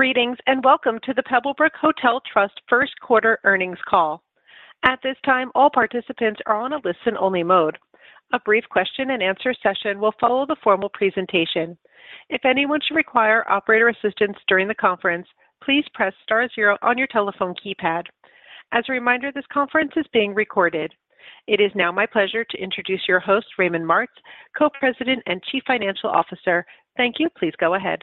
Greetings, and welcome to the Pebblebrook Hotel Trust first quarter earnings call. At this time, all participants are on a listen-only mode. A brief question and answer session will follow the formal presentation. If anyone should require operator assistance during the conference, please press star zero on your telephone keypad. As a reminder, this conference is being recorded. It is now my pleasure to introduce your host, Raymond Martz, Co-President and Chief Financial Officer. Thank you. Please go ahead.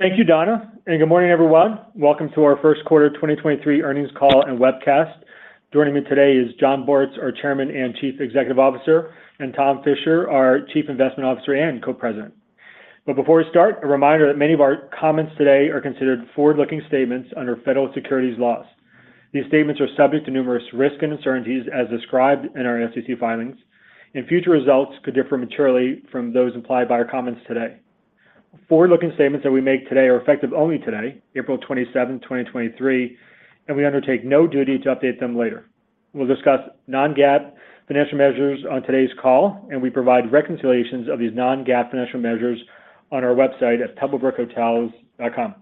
Thank you, Donna. Good morning, everyone. Welcome to our first quarter 2023 earnings call and webcast. Joining me today is Jon Bortz, our Chairman and Chief Executive Officer, and Tom Fisher, our Chief Investment Officer and Co-President. Before we start, a reminder that many of our comments today are considered forward-looking statements under federal securities laws. These statements are subject to numerous risks and uncertainties as described in our SEC filings, and future results could differ materially from those implied by our comments today. Forward-looking statements that we make today are effective only today, April 27th, 2023, and we undertake no duty to update them later. We'll discuss non-GAAP financial measures on today's call, and we provide reconciliations of these non-GAAP financial measures on our website at pebblebrookhotels.com.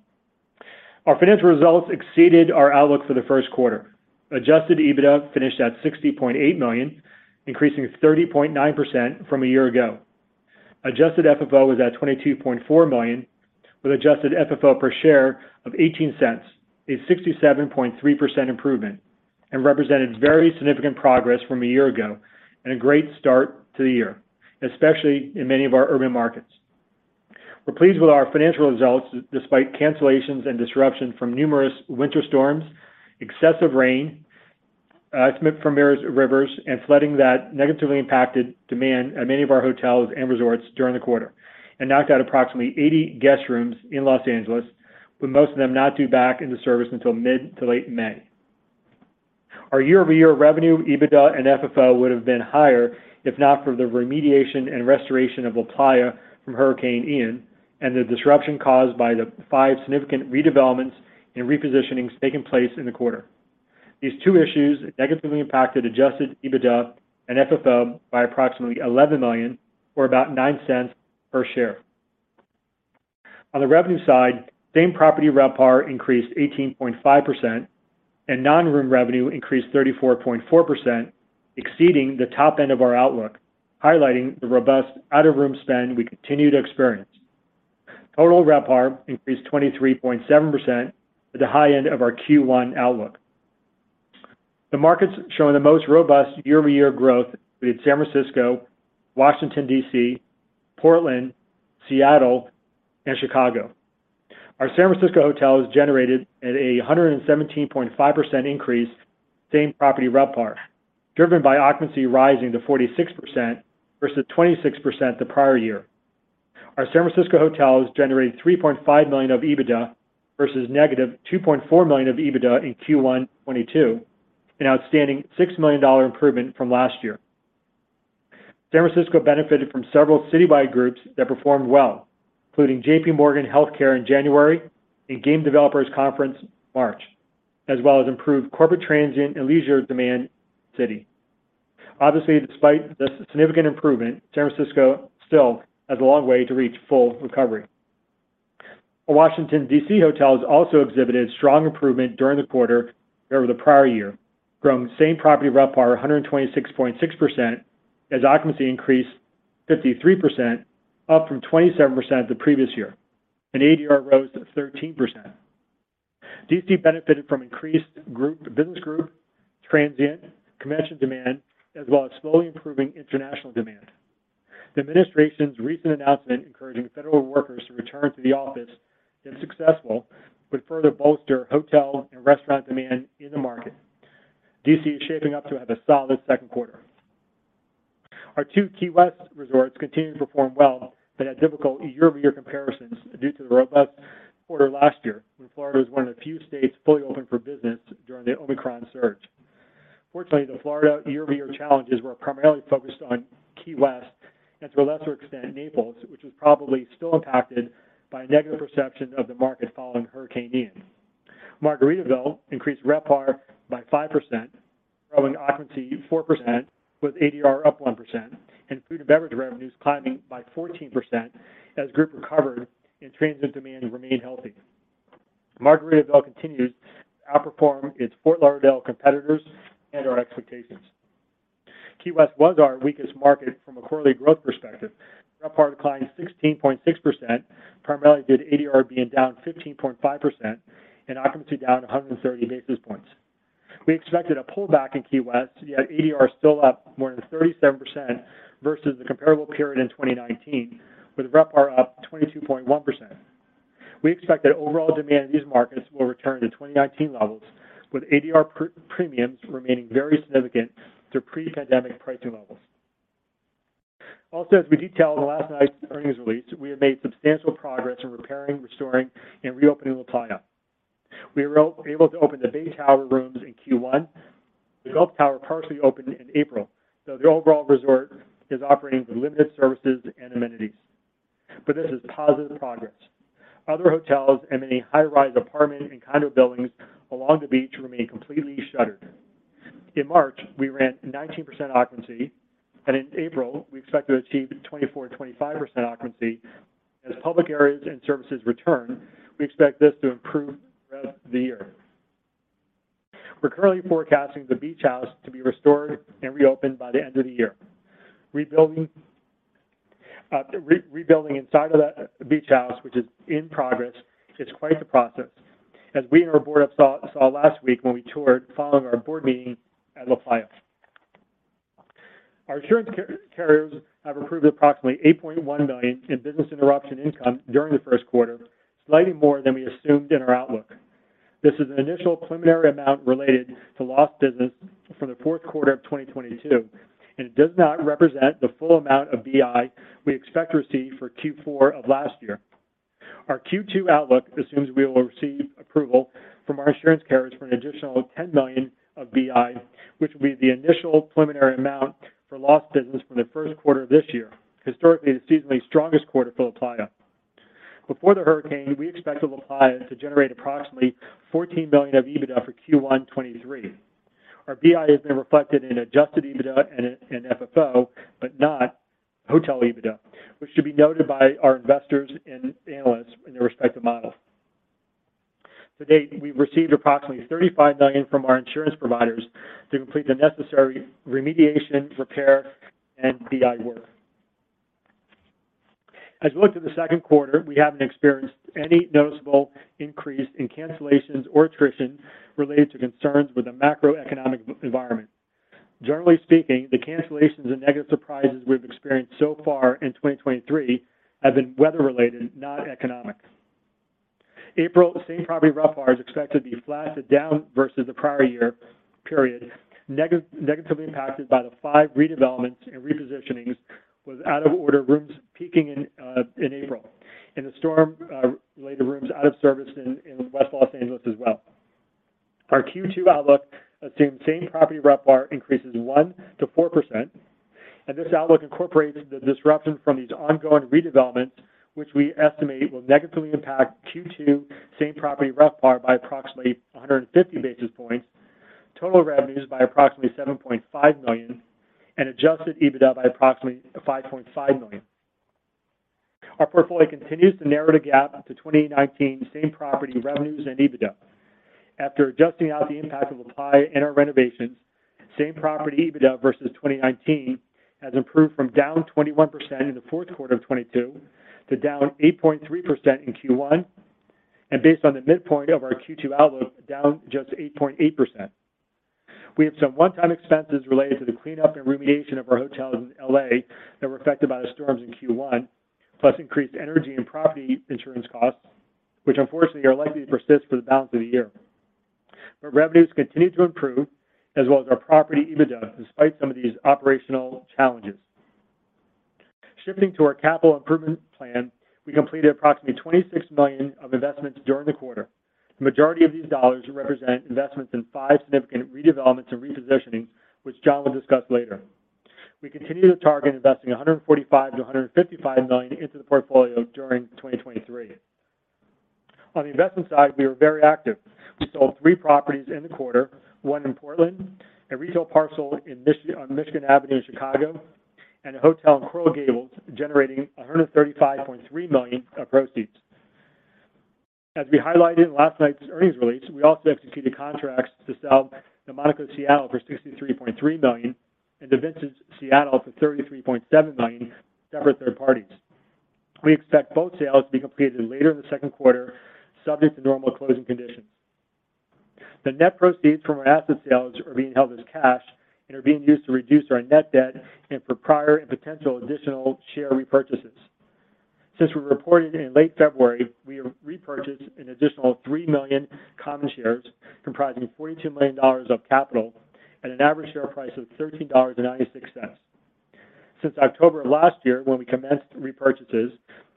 Our financial results exceeded our outlook for the first quarter. Adjusted EBITDA finished at $60.8 million, increasing 30.9% from a year ago. Adjusted FFO was at $22.4 million with Adjusted FFO per share of $0.18, a 67.3% improvement, and represented very significant progress from a year ago and a great start to the year, especially in many of our urban markets. We're pleased with our financial results despite cancellations and disruption from numerous winter storms, excessive rain from various rivers, and flooding that negatively impacted demand at many of our hotels and resorts during the quarter and knocked out approximately 80 guest rooms in Los Angeles, with most of them not due back into service until mid to late May. Our year-over-year revenue, EBITDA and FFO would have been higher if not for the remediation and restoration of LaPlaya from Hurricane Ian and the disruption caused by the five significant redevelopments and repositionings taking place in the quarter. These two issues negatively impacted Adjusted EBITDA and FFO by approximately $11 million or about $0.09 per share. On the revenue side, same-property RevPAR increased 18.5% and non-room revenue increased 34.4%, exceeding the top end of our outlook, highlighting the robust out-of-room spend we continue to experience. Total RevPAR increased 23.7% at the high end of our Q1 outlook. The markets showing the most robust year-over-year growth with San Francisco, Washington, D.C., Portland, Seattle, and Chicago. Our San Francisco hotel is generated at a 117.5% increase same-property RevPAR, driven by occupancy rising to 46% versus 26% the prior year. Our San Francisco hotel has generated $3.5 million of EBITDA versus -$2.4 million of EBITDA in Q1 2022, an outstanding $6 million improvement from last year. San Francisco benefited from several citywide groups that performed well, including J.P. Morgan Healthcare in January and Game Developers Conference March, as well as improved corporate transient and leisure demand in the city. Obviously, despite the significant improvement, San Francisco still has a long way to reach full recovery. Our Washington, D.C. hotel has also exhibited strong improvement during the quarter over the prior year, growing same-property RevPAR 126.6% as occupancy increased 53%, up from 27% the previous year, and ADR rose 13%. D.C. benefited from increased business group, transient, convention demand, as well as slowly improving international demand. The administration's recent announcement encouraging federal workers to return to the office, if successful, would further bolster hotel and restaurant demand in the market. D.C. is shaping up to have a solid second quarter. Our two Key West resorts continue to perform well but had difficult year-over-year comparisons due to the robust quarter last year, when Florida was one of the few states fully open for business during the Omicron surge. Fortunately, the Florida year-over-year challenges were primarily focused on Key West, and to a lesser extent, Naples, which was probably still impacted by a negative perception of the market following Hurricane Ian. Margaritaville increased RevPAR by 5%, growing occupancy 4% with ADR up 1%, and food and beverage revenues climbing by 14% as group recovered and transient demand remained healthy. Margaritaville continues to outperform its Fort Lauderdale competitors and our expectations. Key West was our weakest market from a quarterly growth perspective. RevPAR declined 16.6%, primarily due to ADR being down 15.5% and occupancy down 130 basis points. We expected a pullback in Key West, yet ADR is still up more than 37% versus the comparable period in 2019, with RevPAR up 22.1%. We expect that overall demand in these markets will return to 2019 levels, with ADR premiums remaining very significant to pre-pandemic pricing levels. As we detailed in last night's earnings release, we have made substantial progress in repairing, restoring, and reopening LaPlaya. We were able to open the Bay Tower rooms in Q1. The Gulf Tower partially opened in April, though the overall resort is operating with limited services and amenities. This is positive progress. Other hotels and many high-rise apartment and condo buildings along the beach remain completely shuttered. In March, we ran 19% occupancy, and in April, we expect to achieve 24%-25% occupancy. As public areas and services return, we expect this to improve throughout the year. We're currently forecasting the beach house to be restored and reopened by the end of the year. Rebuilding, re-rebuilding inside of the beach house, which is in progress, is quite the process, as we and our board have saw last week when we toured following our board meeting at LaPlaya. Our insurance carriers have approved approximately $8.1 million in business interruption income during the first quarter, slightly more than we assumed in our outlook. This is an initial preliminary amount related to lost business from the fourth quarter of 2022, and it does not represent the full amount of BI we expect to receive for Q4 of last year. Our Q2 outlook assumes we will receive approval from our insurance carriers for an additional $10 million of BI, which will be the initial preliminary amount for lost business from the first quarter of this year, historically the seasonally strongest quarter for LaPlaya. Before the hurricane, we expect LaPlaya to generate approximately $14 million of EBITDA for Q1 2023. Our BI has been reflected in Adjusted EBITDA and FFO, but not hotel EBITDA, which should be noted by our investors and analysts in their respective models. To date, we've received approximately $35 million from our insurance providers to complete the necessary remediation, repair, and BI work. As we look to the second quarter, we haven't experienced any noticeable increase in cancellations or attrition related to concerns with the macroeconomic environment. Generally speaking, the cancellations and negative surprises we've experienced so far in 2023 have been weather-related, not economic. April same-property RevPAR is expected to be flat to down versus the prior year period, negatively impacted by the five redevelopments and repositionings, with out-of-order rooms peaking in April, and the storm related rooms out of service in West Los Angeles as well. Our Q2 outlook assumes same-property RevPAR increases 1%-4%, and this outlook incorporated the disruption from these ongoing redevelopments, which we estimate will negatively impact Q2 same-property RevPAR by approximately 150 basis points, total revenues by approximately $7.5 million, and Adjusted EBITDA by approximately $5.5 million. Our portfolio continues to narrow the gap to 2019 same-property revenues and EBITDA. After adjusting out the impact of LaPlaya and our renovations, same-property EBITDA versus 2019 has improved from down 21% in the fourth quarter of 2022 to down 8.3% in Q1, and based on the midpoint of our Q2 outlook, down just 8.8%. We have some one-time expenses related to the cleanup and remediation of our hotels in L.A. that were affected by the storms in Q1, plus increased energy and property insurance costs, which unfortunately are likely to persist for the balance of the year. Revenues continue to improve, as well as our property EBITDA, despite some of these operational challenges. Shifting to our capital improvement plan, we completed approximately $26 million of investments during the quarter. The majority of these dollars represent investments in five significant redevelopments and repositionings, which Jon will discuss later. We continue to target investing $145 million-$155 million into the portfolio during 2023. On the investment side, we are very active. We sold three properties in the quarter, one in Portland, a retail parcel on Michigan Avenue in Chicago, and a hotel in Coral Gables, generating $135.3 million of proceeds. As we highlighted in last night's earnings release, we also executed contracts to sell the Hotel Monaco Seattle for $63.3 million and the Viceroy Seattle for $33.7 million to separate third parties. We expect both sales to be completed later in the second quarter, subject to normal closing conditions. The net proceeds from our asset sales are being held as cash and are being used to reduce our net debt and for prior and potential additional share repurchases. Since we reported in late February, we have repurchased an additional 3 million common shares, comprising $42 million of capital at an average share price of $13.96. Since October of last year, when we commenced repurchases,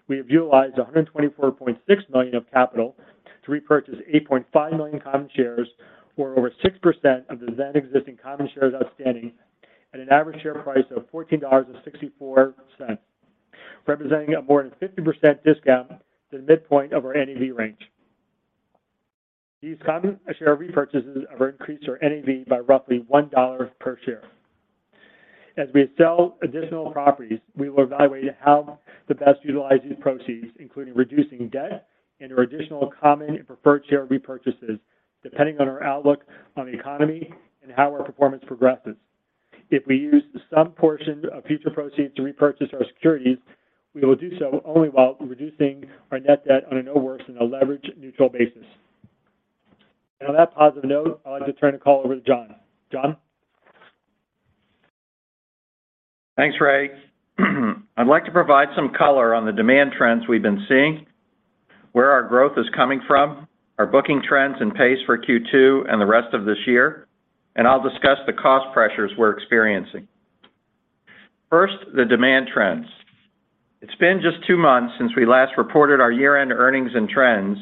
we have utilized $124.6 million of capital to repurchase 8.5 million common shares, or over 6% of the then existing common shares outstanding at an average share price of $14.64, representing a more than 50% discount to the midpoint of our NAV range. These common share repurchases have increased our NAV by roughly $1 per share. As we sell additional properties, we will evaluate how the best utilize these proceeds, including reducing debt and/or additional common and preferred share repurchases, depending on our outlook on the economy and how our performance progresses. If we use some portion of future proceeds to repurchase our securities, we will do so only while reducing our net debt on a no worse than a leverage neutral basis. On that positive note, I'd like to turn the call over to Jon. Jon? Thanks, Ray. I'd like to provide some color on the demand trends we've been seeing, where our growth is coming from, our booking trends and pace for Q2 and the rest of this year, I'll discuss the cost pressures we're experiencing. First, the demand trends. It's been just two months since we last reported our year-end earnings and trends,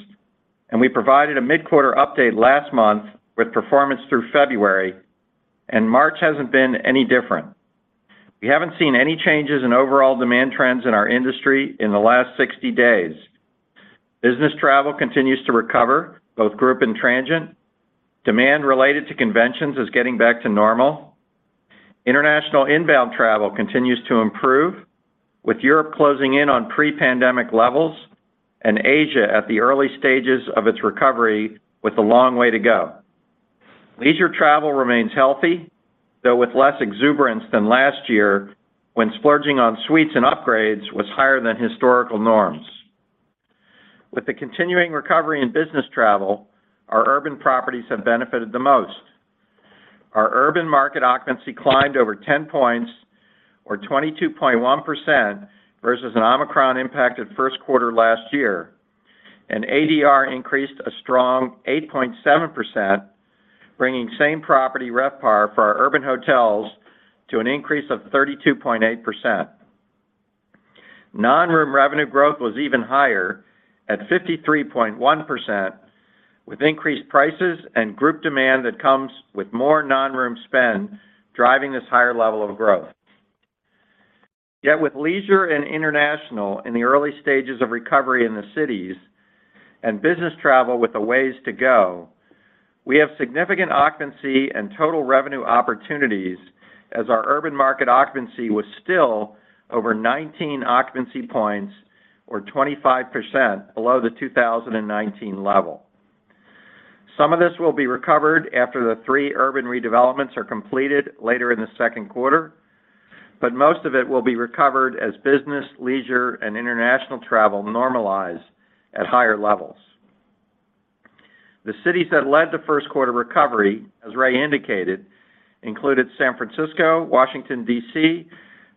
we provided a mid-quarter update last month with performance through February, March hasn't been any different. We haven't seen any changes in overall demand trends in our industry in the last 60 days. Business travel continues to recover, both group and transient. Demand related to conventions is getting back to normal. International inbound travel continues to improve with Europe closing in on pre-pandemic levels and Asia at the early stages of its recovery with a long way to go. Leisure travel remains healthy, though with less exuberance than last year when splurging on suites and upgrades was higher than historical norms. With the continuing recovery in business travel, our urban properties have benefited the most. Our urban market occupancy climbed over 10 points, or 22.1% versus an Omicron impacted first quarter last year, and ADR increased a strong 8.7%, bringing same property RevPAR for our urban hotels to an increase of 32.8%. Non-room revenue growth was even higher at 53.1%, with increased prices and group demand that comes with more non-room spend driving this higher level of growth. With leisure and international in the early stages of recovery in the cities and business travel with the ways to go, we have significant occupancy and total revenue opportunities as our urban market occupancy was still over 19 occupancy points, or 25% below the 2019 level. Some of this will be recovered after the three urban redevelopments are completed later in the second quarter, most of it will be recovered as business, leisure and international travel normalize at higher levels. The cities that led to first quarter recovery, as Ray indicated, included San Francisco, Washington, D.C.,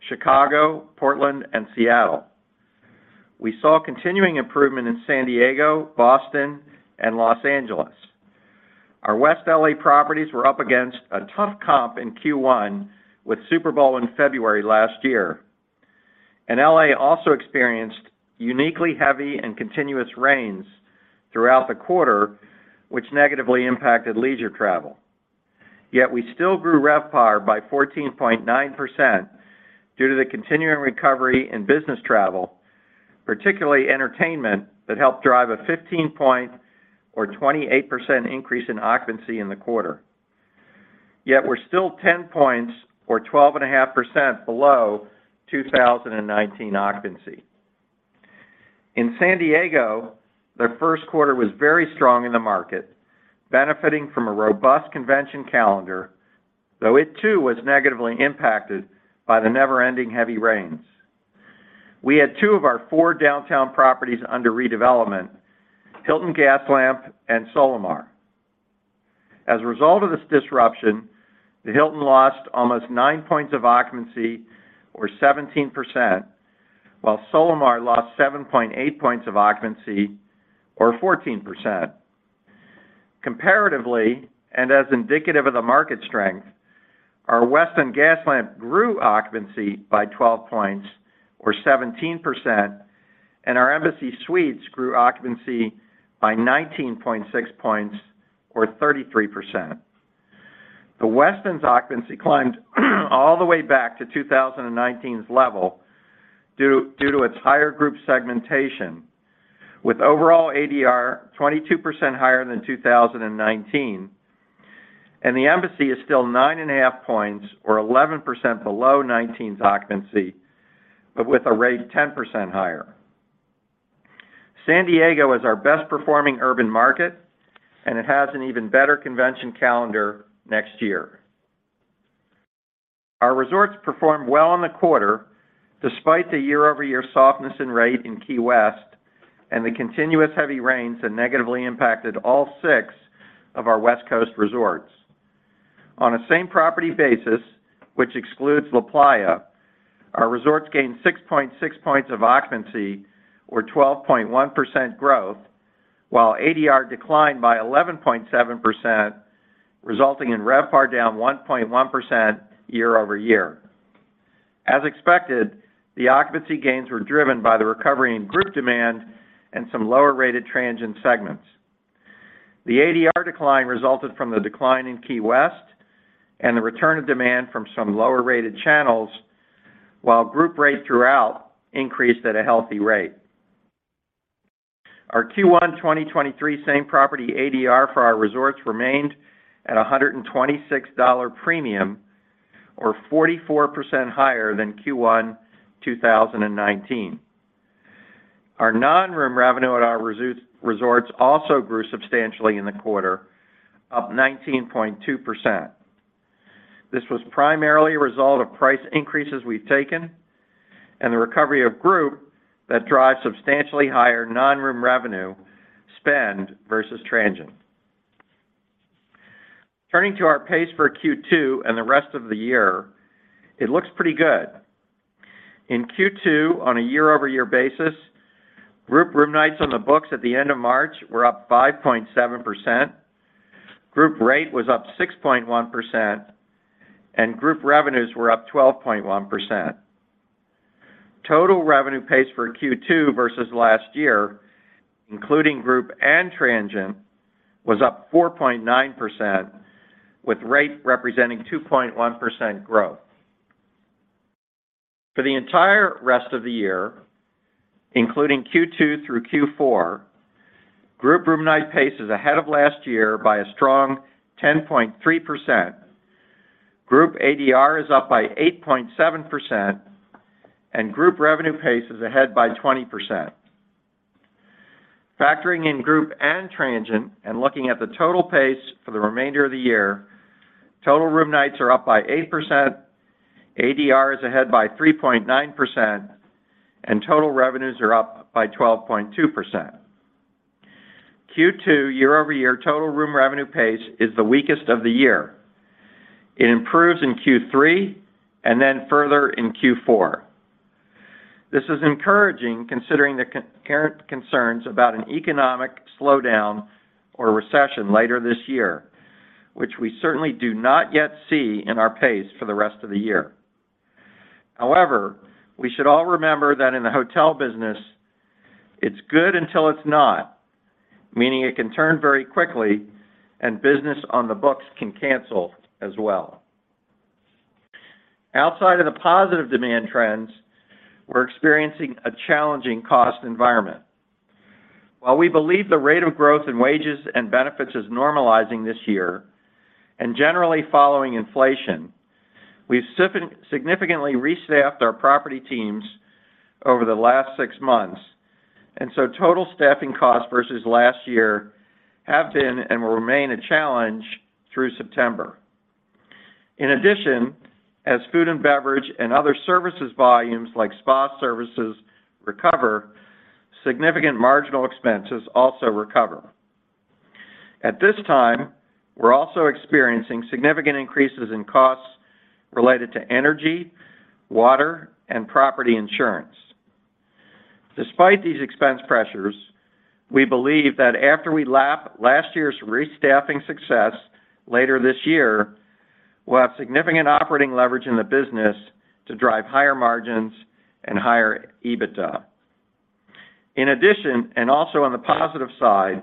Chicago, Portland and Seattle. We saw continuing improvement in San Diego, Boston and Los Angeles. Our West L.A. properties were up against a tough comp in Q1 with Super Bowl in February last year. L.A. also experienced uniquely heavy and continuous rains throughout the quarter, which negatively impacted leisure travel. Yet we still grew RevPAR by 14.9% due to the continuing recovery in business travel, particularly entertainment, that helped drive a 28% increase in occupancy in the quarter. Yet we're still 10 points or 12.5% below 2019 occupancy. In San Diego, the first quarter was very strong in the market, benefiting from a robust convention calendar, though it too was negatively impacted by the never-ending heavy rains. We had two of our four downtown properties under redevelopment, Hilton Gaslamp and Solamar. As a result of this disruption, the Hilton lost almost 9 points of occupancy or 17%, while Solamar lost 7.8 points of occupancy or 14%. Comparatively, and as indicative of the market strength, our Westin Gaslamp Quarter grew occupancy by 12 points or 17%, and our Embassy Suites grew occupancy by 19.6 points or 33%. The Westin's occupancy climbed all the way back to 2019's level due to its higher group segmentation, with overall ADR 22% higher than 2019. The Embassy is still 9.5 points or 11% below 2019's occupancy, but with a rate 10% higher. San Diego is our best performing urban market, it has an even better convention calendar next year. Our resorts performed well in the quarter despite the year-over-year softness in rate in Key West, the continuous heavy rains that negatively impacted all six of our West Coast resorts. On a same property basis, which excludes LaPlaya, our resorts gained 6.6 points of occupancy or 12.1% growth, while ADR declined by 11.7%, resulting in RevPAR down 1.1% year-over-year. As expected, the occupancy gains were driven by the recovery in group demand and some lower rated transient segments. The ADR decline resulted from the decline in Key West and the return of demand from some lower rated channels, while group rate throughout increased at a healthy rate. Our Q1 2023 same property ADR for our resorts remained at a $126 premium or 44% higher than Q1 2019. Our non-room revenue at our resorts also grew substantially in the quarter, up 19.2%. This was primarily a result of price increases we've taken and the recovery of group that drives substantially higher non-room revenue spend versus transient. Turning to our pace for Q2 and the rest of the year, it looks pretty good. In Q2, on a year-over-year basis, group room nights on the books at the end of March were up 5.7%, group rate was up 6.1%, and group revenues were up 12.1%. Total revenue pace for Q2 versus last year, including group and transient, was up 4.9%, with rate representing 2.1% growth. For the entire rest of the year, including Q2 through Q4, group room night pace is ahead of last year by a strong 10.3%. Group ADR is up by 8.7%, and group revenue pace is ahead by 20%. Factoring in group and transient and looking at the total pace for the remainder of the year, total room nights are up by 8%, ADR is ahead by 3.9%, and total revenues are up by 12.2%. Q2 year-over-year total room revenue pace is the weakest of the year. It improves in Q3 and then further in Q4. This is encouraging considering the concurrent concerns about an economic slowdown or recession later this year, which we certainly do not yet see in our pace for the rest of the year. However, we should all remember that in the hotel business, it's good until it's not, meaning it can turn very quickly and business on the books can cancel as well. Outside of the positive demand trends, we're experiencing a challenging cost environment. While we believe the rate of growth in wages and benefits is normalizing this year, and generally following inflation, we've significantly restaffed our property teams over the last six months, and so total staffing costs versus last year have been and will remain a challenge through September. As food and beverage and other services volumes like spa services recover, significant marginal expenses also recover. At this time, we're also experiencing significant increases in costs related to energy, water, and property insurance. Despite these expense pressures, we believe that after we lap last year's restaffing success later this year, we'll have significant operating leverage in the business to drive higher margins and higher EBITDA. Also on the positive side,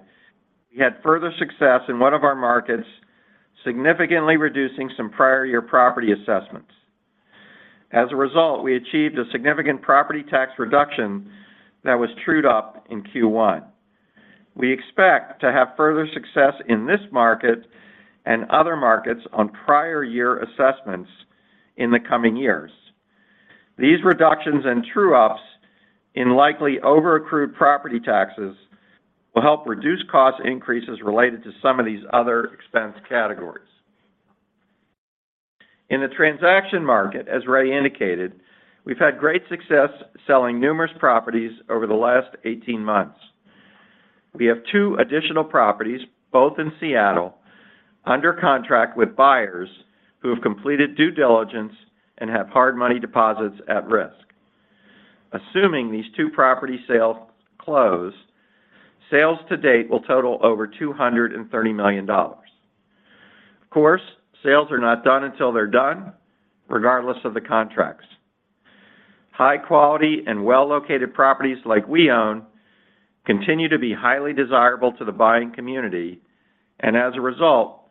we had further success in one of our markets, significantly reducing some prior year property assessments. As a result, we achieved a significant property tax reduction that was trued up in Q1. We expect to have further success in this market and other markets on prior year assessments in the coming years. These reductions in true-ups in likely over-accrued property taxes will help reduce cost increases related to some of these other expense categories. In the transaction market, as Ray indicated, we've had great success selling numerous properties over the last 18 months. We have two additional properties, both in Seattle, under contract with buyers who have completed due diligence and have hard money deposits at risk. Assuming these two property sales close, sales to date will total over $230 million. Of course, sales are not done until they're done, regardless of the contracts. High quality and well-located properties like we own continue to be highly desirable to the buying community. As a result,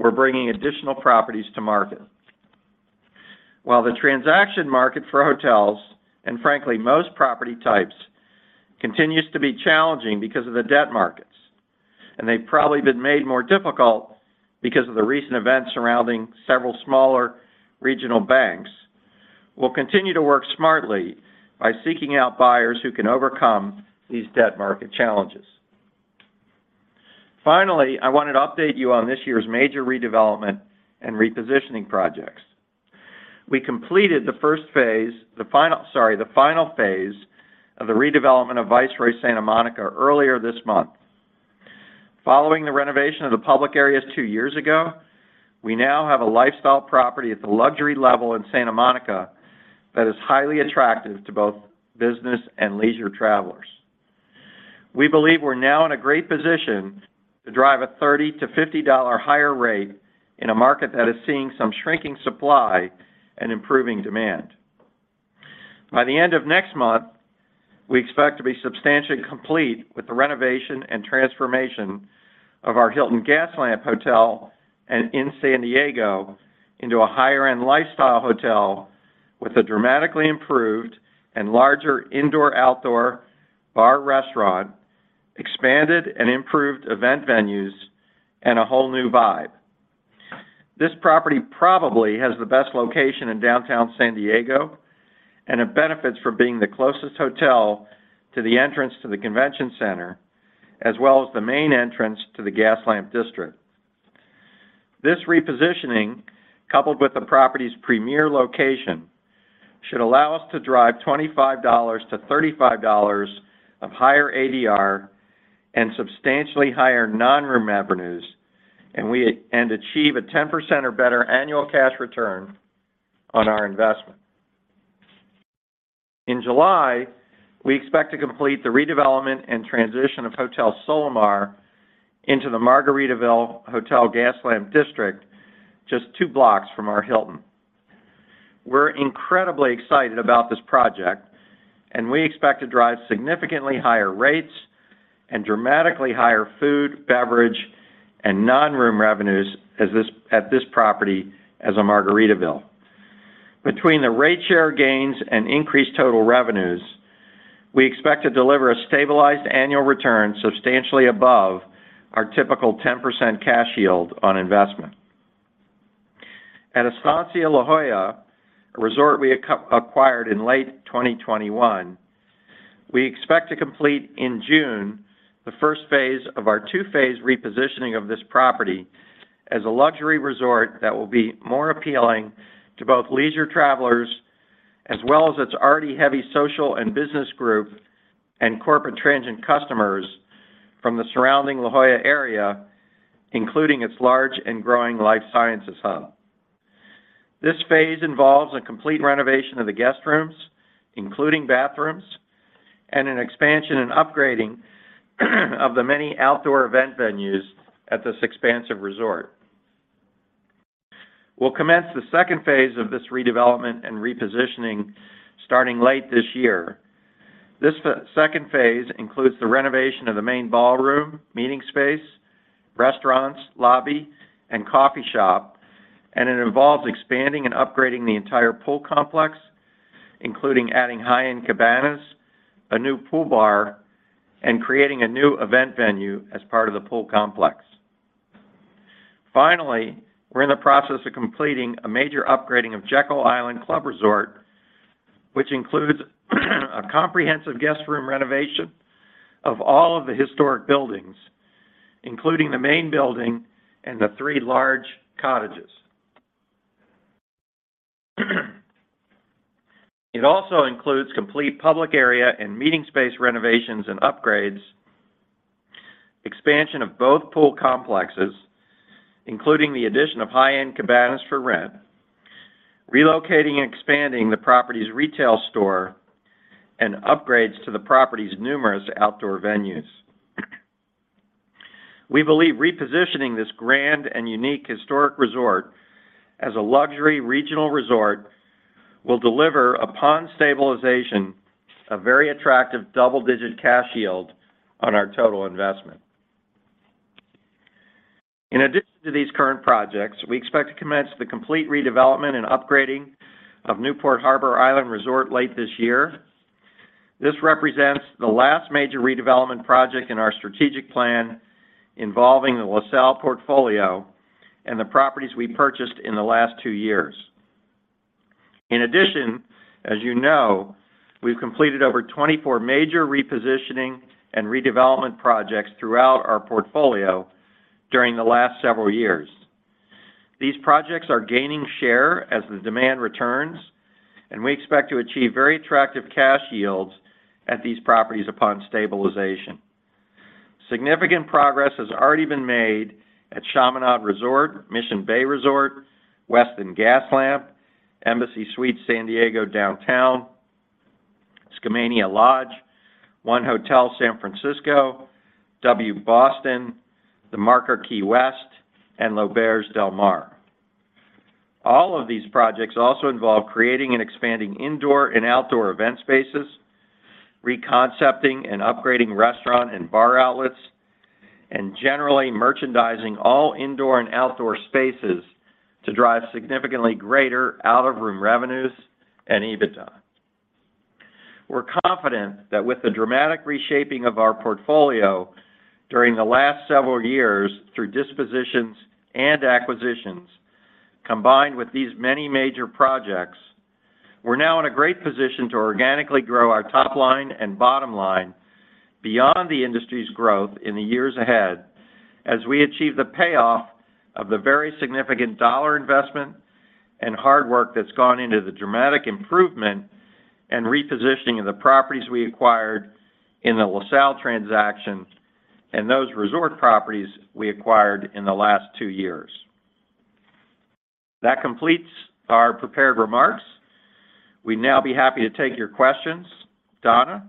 we're bringing additional properties to market. While the transaction market for hotels, and frankly, most property types, continues to be challenging because of the debt markets, and they've probably been made more difficult because of the recent events surrounding several smaller regional banks, we'll continue to work smartly by seeking out buyers who can overcome these debt market challenges. Finally, I wanted to update you on this year's major redevelopment and repositioning projects. We completed the first phase. Sorry, the final phase of the redevelopment of Viceroy Santa Monica earlier this month. Following the renovation of the public areas two years ago, we now have a lifestyle property at the luxury level in Santa Monica that is highly attractive to both business and leisure travelers. We believe we're now in a great position to drive a $30-$50 higher rate in a market that is seeing some shrinking supply and improving demand. By the end of next month, we expect to be substantially complete with the renovation and transformation of our Hilton Gaslamp Hotel in San Diego into a higher-end lifestyle hotel with a dramatically improved and larger indoor-outdoor bar restaurant, expanded and improved event venues, and a whole new vibe. This property probably has the best location in downtown San Diego. It benefits from being the closest hotel to the entrance to the convention center, as well as the main entrance to the Gaslamp District. This repositioning, coupled with the property's premier location, should allow us to drive $25-$35 of higher ADR and substantially higher non-room revenues, and achieve a 10% or better annual cash return on our investment. In July, we expect to complete the redevelopment and transition of Hotel Solamar into the Margaritaville Hotel Gaslamp District, just two blocks from our Hilton. We're incredibly excited about this project, and we expect to drive significantly higher rates and dramatically higher food, beverage, and non-room revenues at this property as a Margaritaville. Between the rate share gains and increased total revenues, we expect to deliver a stabilized annual return substantially above our typical 10% cash yield on investment. At Estancia La Jolla, a resort we acquired in late 2021, we expect to complete in June the first phase of our two-phase repositioning of this property as a luxury resort that will be more appealing to both leisure travelers as well as its already heavy social and business group and corporate transient customers from the surrounding La Jolla area, including its large and growing life sciences hub. This phase involves a complete renovation of the guest rooms, including bathrooms, and an expansion and upgrading of the many outdoor event venues at this expansive resort. We'll commence the second phase of this redevelopment and repositioning starting late this year. This second phase includes the renovation of the main ballroom, meeting space, restaurants, lobby, and coffee shop, and it involves expanding and upgrading the entire pool complex, including adding high-end cabanas, a new pool bar, and creating a new event venue as part of the pool complex. We're in the process of completing a major upgrading of Jekyll Island Club Resort, which includes a comprehensive guest room renovation of all of the historic buildings, including the main building and the three large cottages. It also includes complete public area and meeting space renovations and upgrades, expansion of both pool complexes, including the addition of high-end cabanas for rent, relocating and expanding the property's retail store, and upgrades to the property's numerous outdoor venues. We believe repositioning this grand and unique historic resort as a luxury regional resort will deliver, upon stabilization, a very attractive double-digit cash yield on our total investment. To these current projects, we expect to commence the complete redevelopment and upgrading of Newport Harbor Island Resort late this year. This represents the last major redevelopment project in our strategic plan involving the LaSalle portfolio and the properties we purchased in the last two years. As you know, we've completed over 24 major repositioning and redevelopment projects throughout our portfolio during the last several years. These projects are gaining share as the demand returns, and we expect to achieve very attractive cash yields at these properties upon stabilization. Significant progress has already been made at Chaminade Resort, Mission Bay Resort, Westin Gaslamp, Embassy Suites San Diego Downtown, Skamania Lodge, 1 Hotel San Francisco, W Boston, The Marker Key West, and L'Auberge Del Mar. All of these projects also involve creating and expanding indoor and outdoor event spaces, reconcepting and upgrading restaurant and bar outlets, and generally merchandising all indoor and outdoor spaces to drive significantly greater out-of-room revenues and EBITDA. We're confident that with the dramatic reshaping of our portfolio during the last several years through dispositions and acquisitions, combined with these many major projects, we're now in a great position to organically grow our top line and bottom line beyond the industry's growth in the years ahead as we achieve the payoff of the very significant dollar investment and hard work that's gone into the dramatic improvement and repositioning of the properties we acquired in the LaSalle transaction and those resort properties we acquired in the last two years. That completes our prepared remarks. We'd now be happy to take your questions. Donna,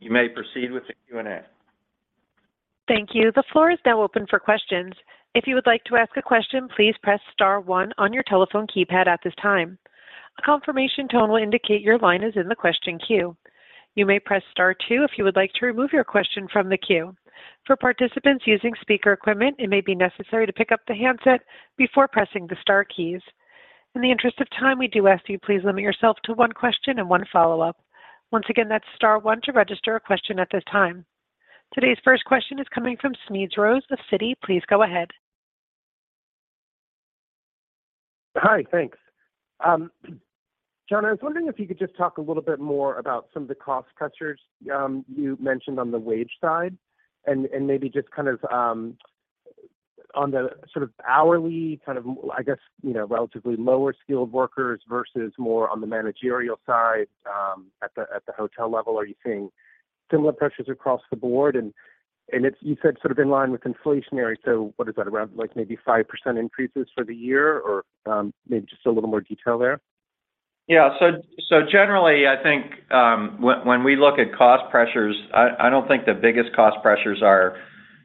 you may proceed with the Q&A. Thank you. The floor is now open for questions. If you would like to ask a question, please press star one on your telephone keypad at this time. A confirmation tone will indicate your line is in the question queue. You may press star two if you would like to remove your question from the queue. For participants using speaker equipment, it may be necessary to pick up the handset before pressing the star keys. In the interest of time, we do ask you please limit yourself to one question and one follow-up. Once again, that's star one to register a question at this time. Today's first question is coming from Smedes Rose of Citi. Please go ahead. Hi. Thanks. Jon, I was wondering if you could just talk a little bit more about some of the cost pressures you mentioned on the wage side and maybe just kind of, on the sort of hourly kind of, I guess, you know, relatively lower skilled workers versus more on the managerial side, at the, at the hotel level. Are you seeing similar pressures across the board? You said sort of in line with inflationary, so what is that, around, like, maybe 5% increases for the year? Maybe just a little more detail there. Generally, I think when we look at cost pressures, I don't think the biggest cost pressures are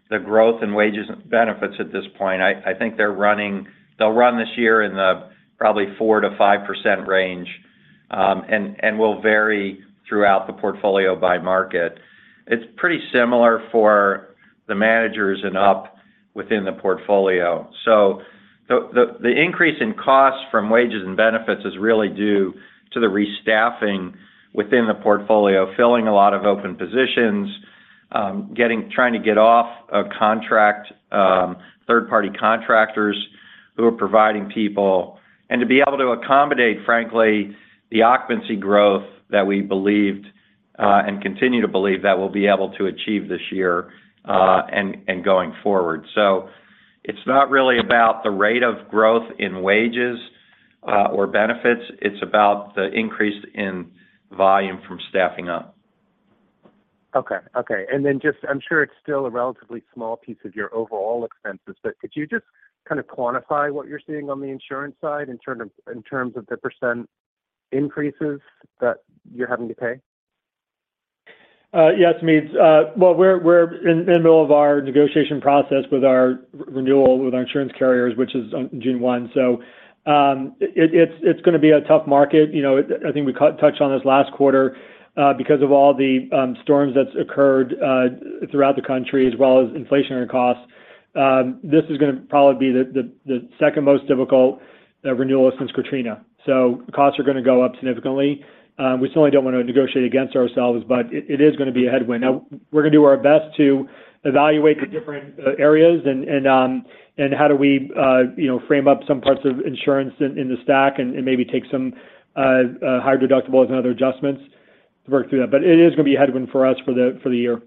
the growth in wages and benefits at this point. I think they'll run this year in the probably 4%-5% range and will vary throughout the portfolio by market. It's pretty similar for the managers and up within the portfolio. The increase in costs from wages and benefits is really due to the restaffing within the portfolio, filling a lot of open positions, trying to get off of contract, third-party contractors who are providing people, and to be able to accommodate, frankly, the occupancy growth that we believed and continue to believe that we'll be able to achieve this year and going forward. It's not really about the rate of growth in wages, or benefits. It's about the increase in volume from staffing up. Okay. Okay. Then just I'm sure it's still a relatively small piece of your overall expenses, but could you just kind of quantify what you're seeing on the insurance side in terms of the % increases that you're having to pay? Yes, Smedes. Well, we're in the middle of our negotiation process with our renewal with our insurance carriers, which is on June 1. It's gonna be a tough market. You know, I think we touched on this last quarter, because of all the storms that's occurred throughout the country as well as inflationary costs. This is gonna probably be the second most difficult renewal since Katrina. Costs are gonna go up significantly. We certainly don't wanna negotiate against ourselves, but it is gonna be a headwind. Now we're gonna do our best to evaluate the different areas and how do we, you know, frame up some parts of insurance in the stack and maybe take some higher deductibles and other adjustments to work through that. It is gonna be a headwind for us for the year.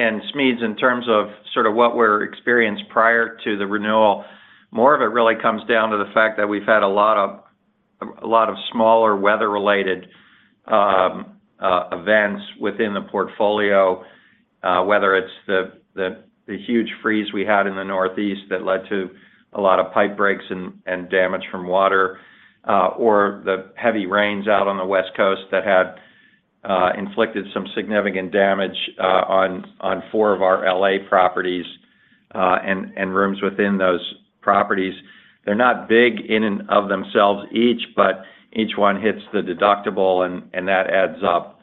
Smedes, in terms of sort of what we're experienced prior to the renewal, more of it really comes down to the fact that we've had a lot of, a lot of smaller weather-related events within the portfolio, whether it's the huge freeze we had in the Northeast that led to a lot of pipe breaks and damage from water, or the heavy rains out on the West Coast that had inflicted some significant damage on four of our L.A. properties and rooms within those properties. They're not big in and of themselves each, but each one hits the deductible and that adds up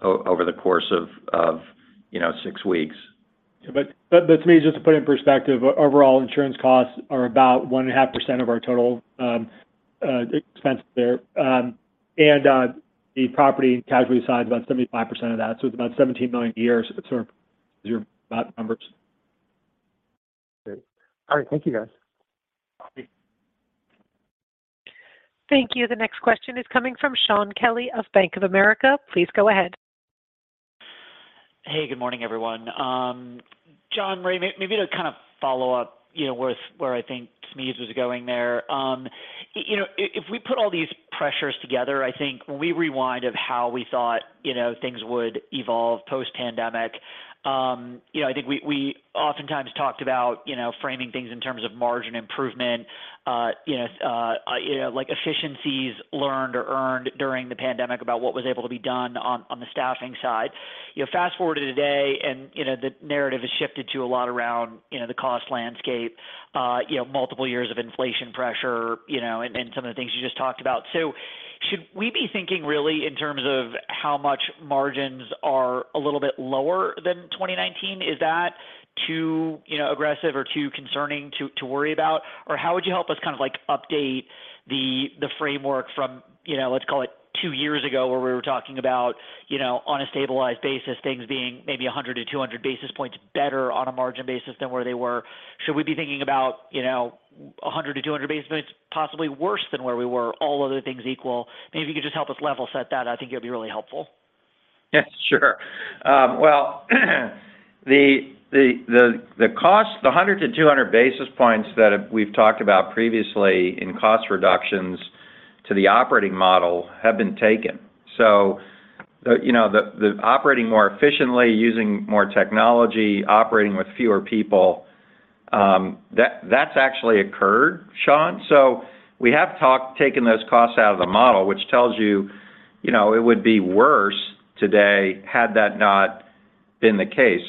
over the course of, you know, six weeks. Smeeds, just to put it in perspective, overall insurance costs are about 1.5% of our total expense there. The property and casualty side is about 75% of that, so it's about $17 million a year. It's sort of your numbers. Great. All right. Thank you, guys. Copy. Thank you. The next question is coming from Shaun Kelley of Bank of America. Please go ahead. Hey, good morning, everyone. Jon, maybe to kind of follow up, you know, with where I think Smedes Rose was going there. You know, if we put all these pressures together, I think when we rewind of how we thought, you know, things would evolve post-pandemic, you know, I think we oftentimes talked about, you know, framing things in terms of margin improvement, you know, like efficiencies learned or earned during the pandemic about what was able to be done on the staffing side. You know, fast-forward to today and, you know, the narrative has shifted to a lot around, you know, the cost landscape, you know, multiple years of inflation pressure, and some of the things you just talked about. Should we be thinking really in terms of how much margins are a little bit lower than 2019? Is that too, you know, aggressive or too concerning to worry about? How would you help us kind of like update the framework from, you know, let's call it two years ago, where we were talking about, you know, on a stabilized basis, things being maybe 100-200 basis points better on a margin basis than where they were. Should we be thinking about, you know, 100-200 basis points possibly worse than where we were, all other things equal? Maybe if you could just help us level set that, I think it'll be really helpful. Yeah, sure. Well, the cost, the 100-200 basis points that we've talked about previously in cost reductions to the operating model have been taken. You know, the operating more efficiently, using more technology, operating with fewer people, that's actually occurred, Shaun. We have taken those costs out of the model, which tells you know, it would be worse today had that not been the case.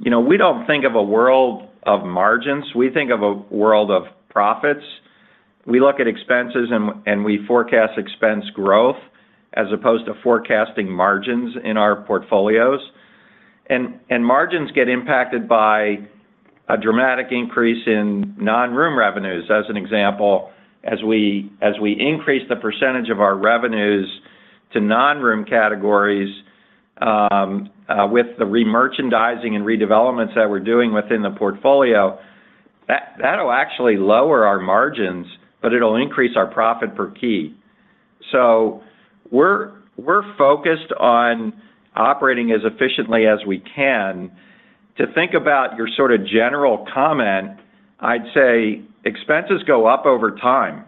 You know, we don't think of a world of margins. We think of a world of profits. We look at expenses and we forecast expense growth as opposed to forecasting margins in our portfolios. And margins get impacted by a dramatic increase in non-room revenues, as an example. As we increase the percentage of our revenues to non-room categories, with the remerchandising and redevelopments that we're doing within the portfolio, that'll actually lower our margins, but it'll increase our profit per key. We're focused on operating as efficiently as we can. To think about your sort of general comment, I'd say expenses go up over time,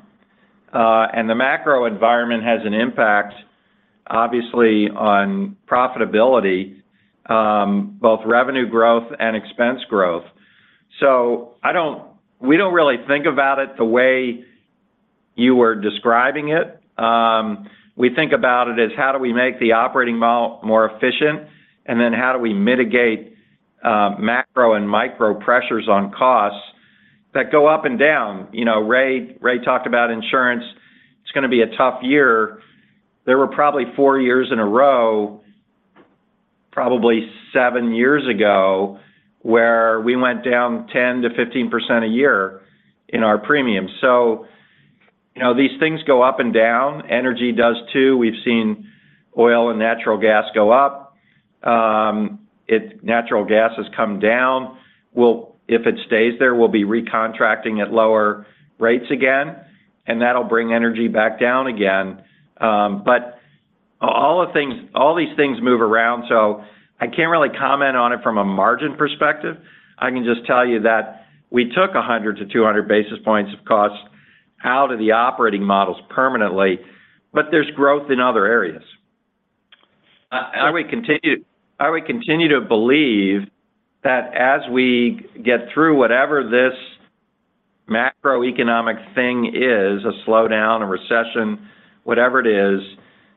and the macro environment has an impact, obviously, on profitability, both revenue growth and expense growth. I don't-- we don't really think about it the way you were describing it. We think about it as how do we make the operating model more efficient, and then how do we mitigate macro and micro pressures on costs that go up and down. You know, Ray talked about insurance. It's gonna be a tough year. There were probably four years in a row, probably seven years ago, where we went down 10%-15% a year in our premium. You know, these things go up and down. Energy does too. We've seen oil and natural gas go up. Natural gas has come down. If it stays there, we'll be recontracting at lower rates again, and that'll bring energy back down again. All these things move around, so I can't really comment on it from a margin perspective. I can just tell you that we took 100 to 200 basis points of cost out of the operating models permanently, but there's growth in other areas. I would continue to believe that as we get through whatever this macroeconomic thing is, a slowdown, a recession, whatever it is,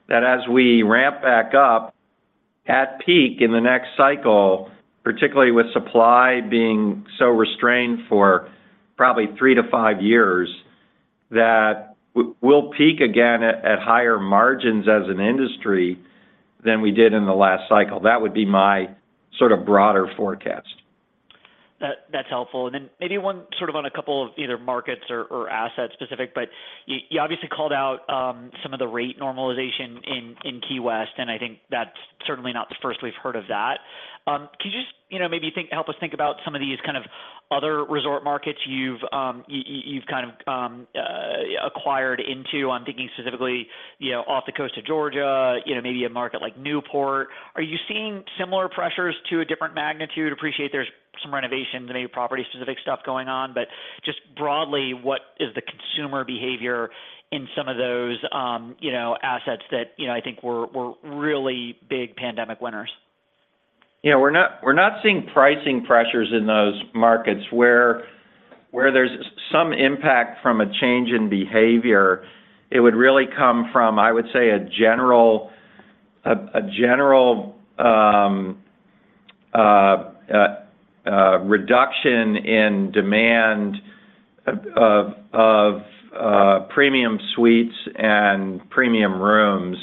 that as we ramp back up at peak in the next cycle, particularly with supply being so restrained for probably three to five years, that we'll peak again at higher margins as an industry than we did in the last cycle. That would be my sort of broader forecast. That's helpful. Maybe one sort of on a couple of either markets or asset specific, but you obviously called out some of the rate normalization in Key West, and I think that's certainly not the first we've heard of that. Could you just, you know, help us think about some of these kind of other resort markets you've kind of acquired into? I'm thinking specifically, you know, off the coast of Georgia, you know, maybe a market like Newport. Are you seeing similar pressures to a different magnitude? Appreciate there's some renovations and maybe property-specific stuff going on, but just broadly, what is the consumer behavior in some of those, you know, assets that, you know, I think were really big pandemic winners? You know, we're not seeing pricing pressures in those markets. Where there's some impact from a change in behavior, it would really come from, I would say, a general reduction in demand of premium suites and premium rooms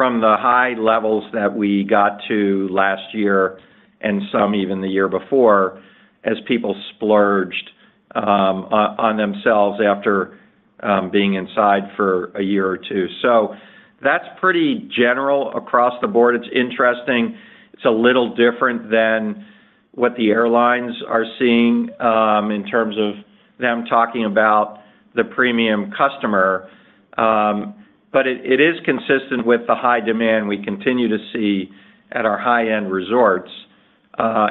from the high levels that we got to last year and some even the year before, as people splurged on themselves after being inside for a year or two. That's pretty general across the board. It's interesting. It's a little different than what the airlines are seeing in terms of them talking about the premium customer. But it is consistent with the high demand we continue to see at our high-end resorts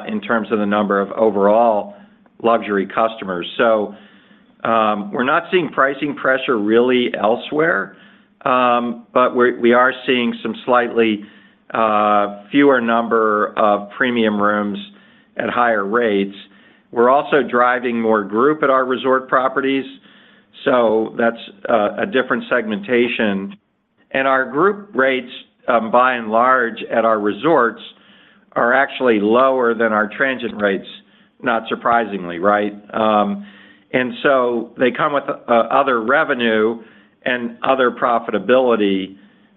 in terms of the number of overall luxury customers. We're not seeing pricing pressure really elsewhere, but we are seeing some slightly fewer number of premium rooms at higher rates. We're also driving more group at our resort properties, so that's a different segmentation. Our group rates, by and large at our resorts are actually lower than our transient rates, not surprisingly, right? They come with other revenue and other profitability,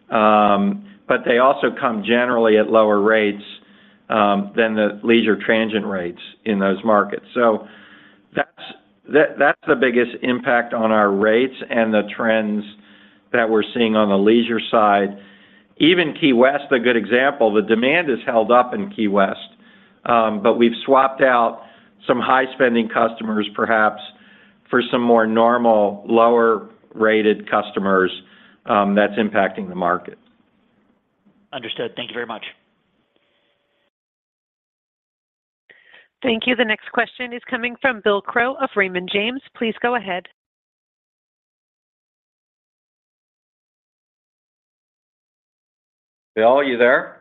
but they also come generally at lower rates than the leisure transient rates in those markets. That's the biggest impact on our rates and the trends that we're seeing on the leisure side. Even Key West, a good example, the demand is held up in Key West. We've swapped out some high-spending customers, perhaps, for some more normal, lower-rated customers, that's impacting the market. Understood. Thank Thank you very much. Thank you. The next question is coming from Bill Crow of Raymond James. Please go ahead. Bill, are you there?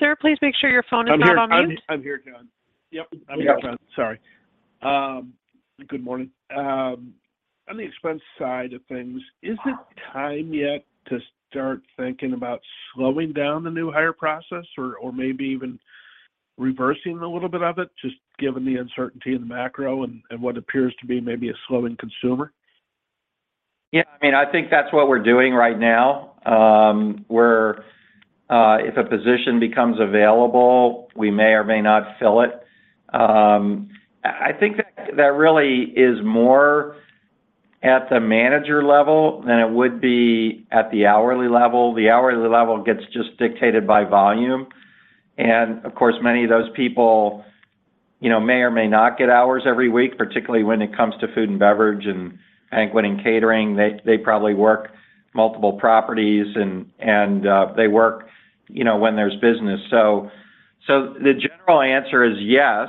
Sir, please make sure your phone is not on mute. I'm here. I'm here, Jon. Yep, I'm here, Jon. Sorry. Good morning. On the expense side of things, is it time yet to start thinking about slowing down the new hire process or maybe even reversing a little bit of it, just given the uncertainty in the macro and what appears to be maybe a slowing consumer? Yeah, I mean, I think that's what we're doing right now. If a position becomes available, we may or may not fill it. I think that really is more at the manager level than it would be at the hourly level. The hourly level gets just dictated by volume. Of course, many of those people, you know, may or may not get hours every week, particularly when it comes to food and beverage, and banquet and catering. They probably work multiple properties and they work, you know, when there's business. The general answer is yes.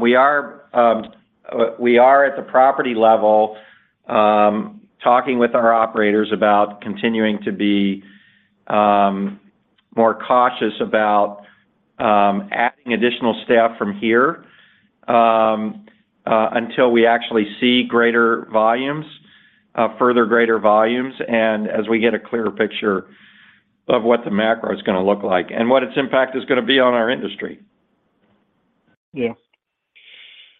We are at the property level talking with our operators about continuing to be more cautious about adding additional. From here, until we actually see greater volumes, further greater volumes, and as we get a clearer picture of what the macro is gonna look like, and what its impact is gonna be on our industry. Yeah.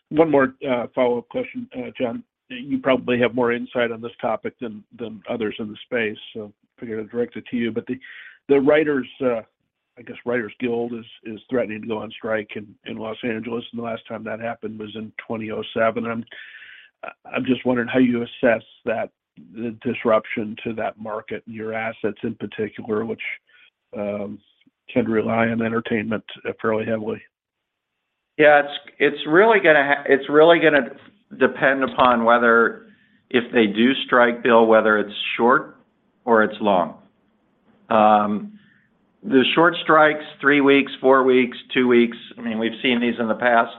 One more follow-up question, Jon. You probably have more insight on this topic than others in the space, so figured I'd direct it to you. The writers, I guess, Writers Guild is threatening to go on strike in Los Angeles, the last time that happened was in 2007. I'm just wondering how you assess that, the disruption to that market and your assets in particular, which can rely on entertainment fairly heavily. It's really gonna depend upon whether if they do strike, Bill, whether it's short or it's long. The short strikes, three weeks, four weeks, two weeks, I mean, we've seen these in the past.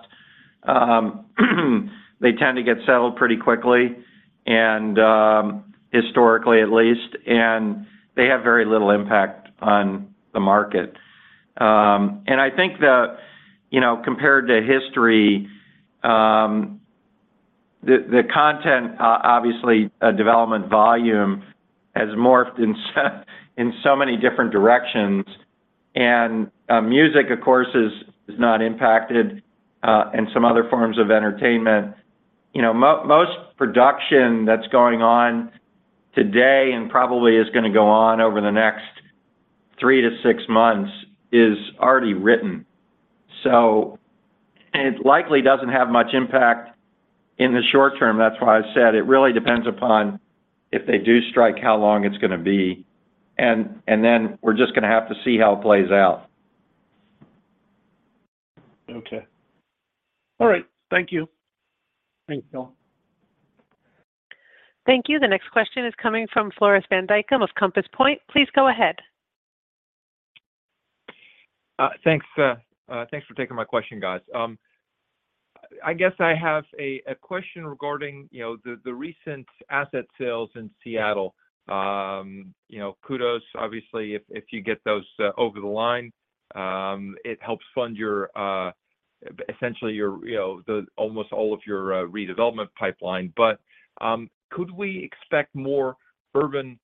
They tend to get settled pretty quickly, and historically at least, and they have very little impact on the market. And I think the, you know, compared to history, the content obviously development volume has morphed in so many different directions. Music, of course, is not impacted and some other forms of entertainment. You know, most production that's going on today and probably is gonna go on over the next three to six months is already written. It likely doesn't have much impact in the short term. That's why I said it really depends upon if they do strike, how long it's gonna be. Then we're just gonna have to see how it plays out. Okay. All right. Thank you. Thank you. Thank you. The next question is coming from Floris van Dijkum of Compass Point. Please go ahead. Thanks, thanks for taking my question, guys. I guess I have a question regarding, you know, the recent asset sales in Seattle. You know, kudos, obviously, if you get those over the line, it helps fund your, essentially your, you know, almost all of your redevelopment pipeline. Could we expect more urban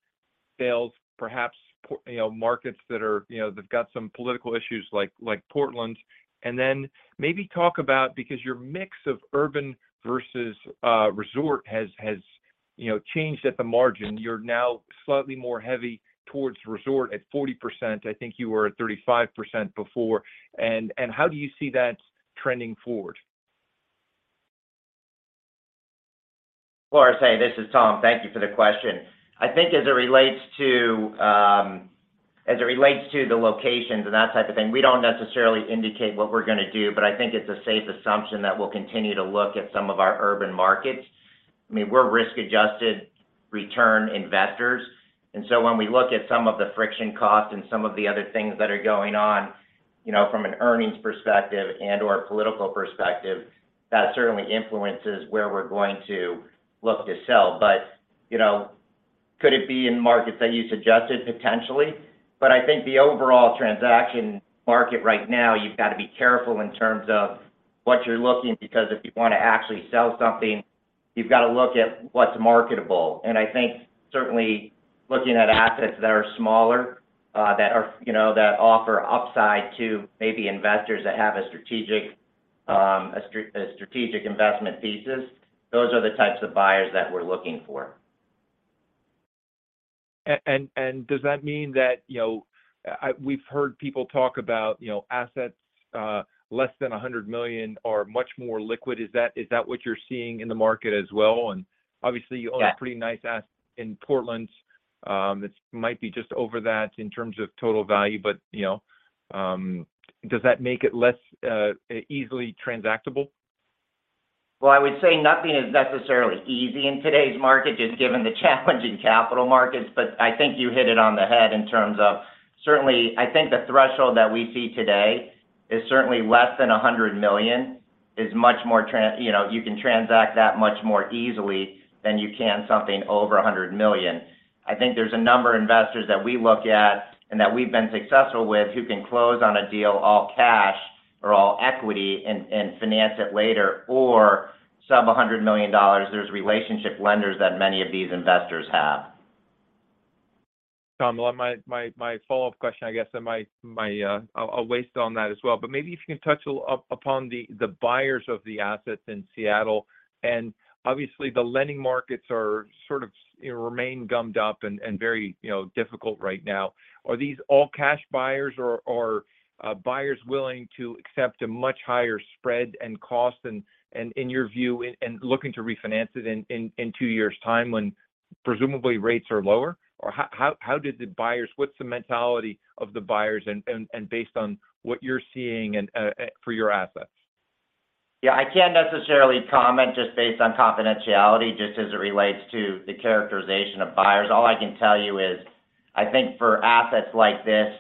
sales, perhaps you know, markets that are, you know, they've got some political issues like Portland? Maybe talk about because your mix of urban versus resort has, you know, changed at the margin. You're now slightly more heavy towards resort at 40%. I think you were at 35% before. How do you see that trending forward? Floris, hey, this is Tom. Thank you for the question. I think as it relates to, as it relates to the locations and that type of thing, we don't necessarily indicate what we're gonna do, but I think it's a safe assumption that we'll continue to look at some of our urban markets. I mean, we're risk-adjusted return investors. When we look at some of the friction costs and some of the other things that are going on, you know, from an earnings perspective and/or political perspective, that certainly influences where we're going to look to sell. You know, could it be in markets that you suggested? Potentially. I think the overall transaction market right now, you've got to be careful in terms of what you're looking because if you wanna actually sell something, you've got to look at what's marketable. I think certainly looking at assets that are smaller, that are, you know, that offer upside to maybe investors that have a strategic, a strategic investment thesis, those are the types of buyers that we're looking for. Does that mean that, you know, we've heard people talk about, you know, assets less than $100 million are much more liquid? Is that what you're seeing in the market as well? Obviously- Yeah... you own a pretty nice in Portland, that's might be just over that in terms of total value. you know, does that make it less, easily transactable? Well, I would say nothing is necessarily easy in today's market, just given the challenging capital markets. I think you hit it on the head in terms of... Certainly, I think the threshold that we see today is certainly less than $100 million is much more you know, you can transact that much more easily than you can something over $100 million. I think there's a number of investors that we look at and that we've been successful with who can close on a deal all cash or all equity and finance it later, or sub $100 million, there's relationship lenders that many of these investors have. Tom, my follow-up question, I guess, and my, I'll waste on that as well. Maybe if you can touch a little upon the buyers of the assets in Seattle. Obviously the lending markets are sort of, you know, remain gummed up and very, you know, difficult right now. Are these all cash buyers or buyers willing to accept a much higher spread and cost and in your view, and looking to refinance it in two years' time when presumably rates are lower? What's the mentality of the buyers and based on what you're seeing for your assets? Yeah. I can't necessarily comment just based on confidentiality, just as it relates to the characterization of buyers. All I can tell you is, I think for assets like this,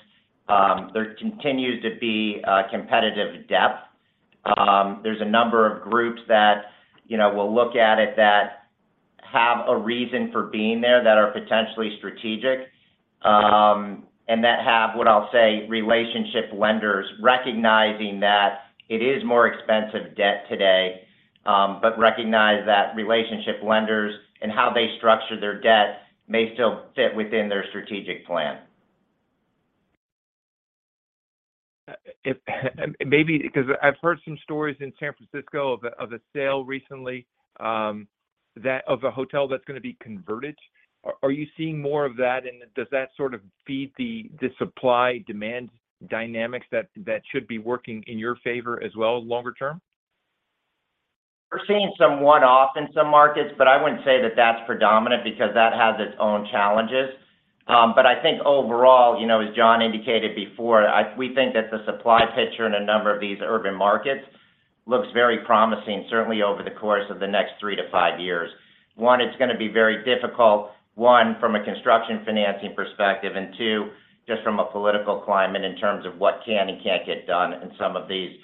there continues to be competitive depth. There's a number of groups that, you know, will look at it that have a reason for being there that are potentially strategic, and that have, what I'll say, relationship lenders recognizing that it is more expensive debt today, but recognize that relationship lenders and how they structure their debt may still fit within their strategic plan. Maybe because I've heard some stories in San Francisco of a sale recently, of a hotel that's gonna be converted. Are you seeing more of that and does that sort of feed the supply-demand dynamics that should be working in your favor as well longer term? We're seeing some one-off in some markets, but I wouldn't say that that's predominant because that has its own challenges. I think overall, you know, as Jon indicated before, we think that the supply picture in a number of these urban markets looks very promising, certainly over the course of the next three to five years. One, it's going to be very difficult, one, from a construction financing perspective, and two, just from a political climate in terms of what can and can't get done in some of these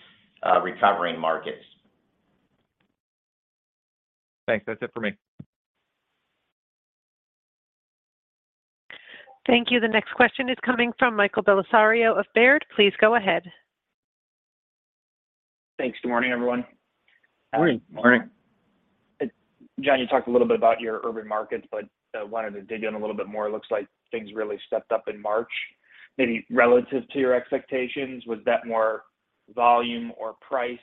recovering markets. Thanks. That's it for me. Thank you. The next question is coming from Michael Bellisario of Baird. Please go ahead. Thanks. Good morning, everyone. Morning. Morning. Jon, you talked a little bit about your urban markets, but I wanted to dig in a little bit more. It looks like things really stepped up in March, maybe relative to your expectations. Was that more volume or price?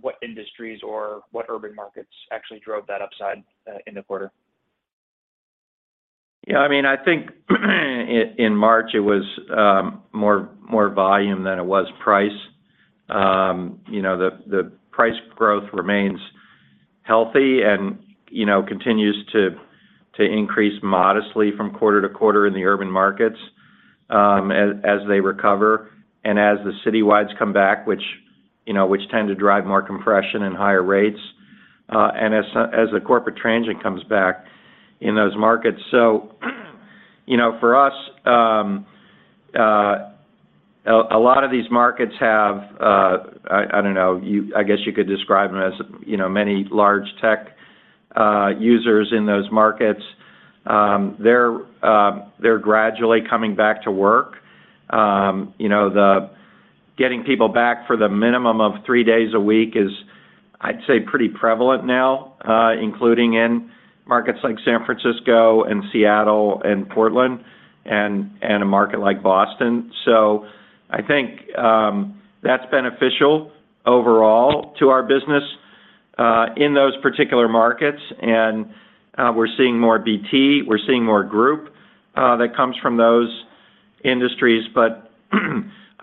What industries or what urban markets actually drove that upside in the quarter? Yeah, I mean, I think in March it was more volume than it was price. You know, the price growth remains healthy and, you know, continues to increase modestly from quarter to quarter in the urban markets, as they recover and as the citywides come back, which tend to drive more compression and higher rates, and as the corporate transient comes back in those markets. You know, for us, a lot of these markets have, I don't know, I guess you could describe them as, you know, many large tech users in those markets. They're gradually coming back to work. You know, the getting people back for the minimum of three days a week is, I'd say, pretty prevalent now, including in markets like San Francisco and Seattle and Portland and a market like Boston. I think that's beneficial overall to our business in those particular markets. We're seeing more BT, we're seeing more group that comes from those industries.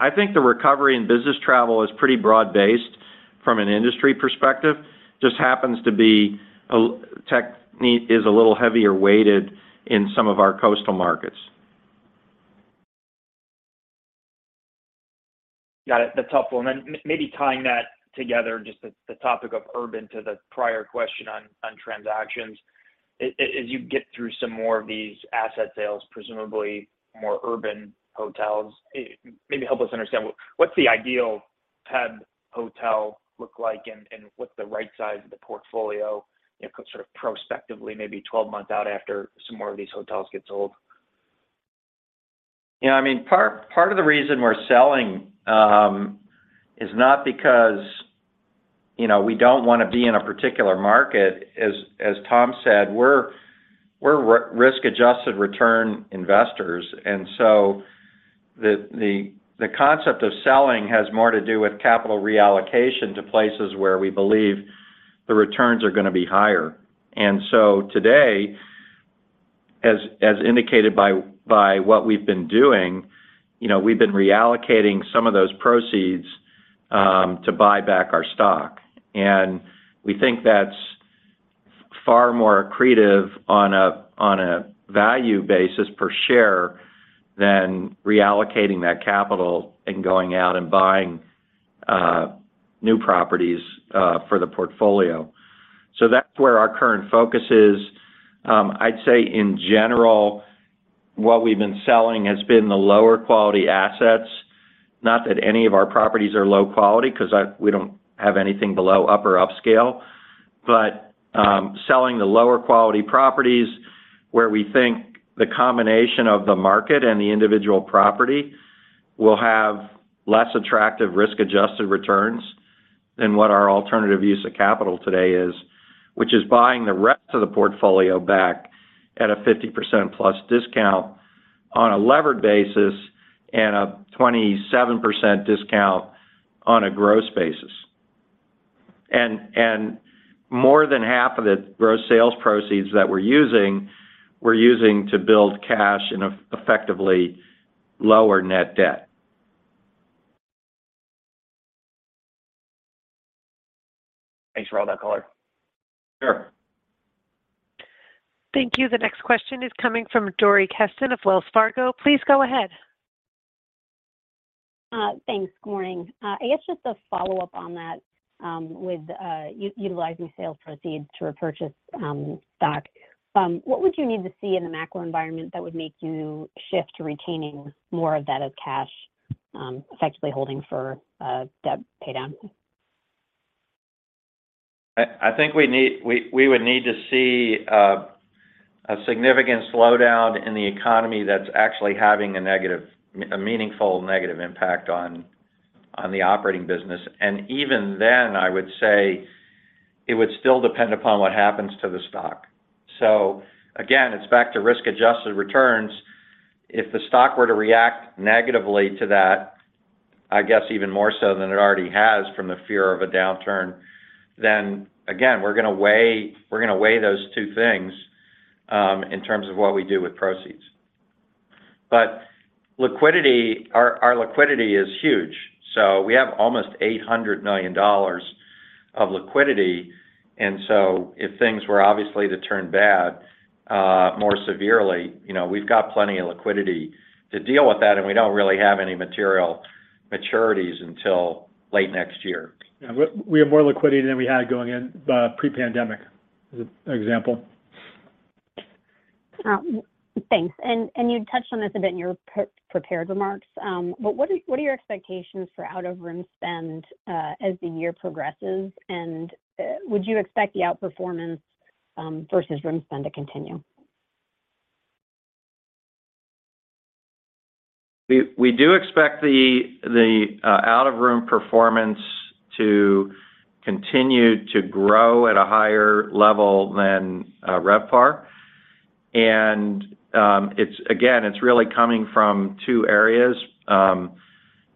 I think the recovery in business travel is pretty broad-based from an industry perspective, just happens to be a tech need is a little heavier weighted in some of our coastal markets. Got it. That's helpful. Then maybe tying that together, just the topic of urban to the prior question on transactions. As you get through some more of these asset sales, presumably more urban hotels, maybe help us understand what's the ideal PEB hotel look like and what's the right size of the portfolio, you know, sort of prospectively, maybe 12 months out after some more of these hotels get sold? You know, I mean, part of the reason we're selling is not because, you know, we don't wanna be in a particular market. As Tom said, we're risk-adjusted return investors. The concept of selling has more to do with capital reallocation to places where we believe the returns are gonna be higher. Today, as indicated by what we've been doing, you know, we've been reallocating some of those proceeds to buy back our stock. We think that's far more accretive on a value basis per share than reallocating that capital and going out and buying new properties for the portfolio. That's where our current focus is. I'd say in general, what we've been selling has been the lower quality assets. Not that any of our properties are low quality because we don't have anything below upper upscale. Selling the lower quality properties where we think the combination of the market and the individual property will have less attractive risk-adjusted returns than what our alternative use of capital today is, which is buying the rest of the portfolio back at a 50%+ discount on a levered basis and a 27% discount on a gross basis. More than half of the gross sales proceeds that we're using, we're using to build cash and effectively lower net debt. Thanks for all that color. Sure. Thank you. The next question is coming from Dori Kesten of Wells Fargo. Please go ahead. Thanks. Good morning. I guess just a follow-up on that, with utilizing sales proceeds to repurchase stock. What would you need to see in the macro environment that would make you shift to retaining more of that as cash? effectively holding for debt paydown. I think we would need to see a significant slowdown in the economy that's actually having a negative, a meaningful negative impact on the operating business. Even then, I would say it would still depend upon what happens to the stock. Again, it's back to risk-adjusted returns. If the stock were to react negatively to that, I guess even more so than it already has from the fear of a downturn, then again, we're gonna weigh those two things in terms of what we do with proceeds. Liquidity, our liquidity is huge. We have almost $800 million of liquidity. If things were obviously to turn bad, more severely, you know, we've got plenty of liquidity to deal with that, and we don't really have any material maturities until late next year. Yeah. We have more liquidity than we had going in pre-pandemic, as an example. Thanks. You touched on this a bit in your pre-prepared remarks. What are your expectations for out-of-room spend as the year progresses? Would you expect the outperformance versus room spend to continue? We do expect the out-of-room performance to continue to grow at a higher level than RevPAR. Again, it's really coming from two areas.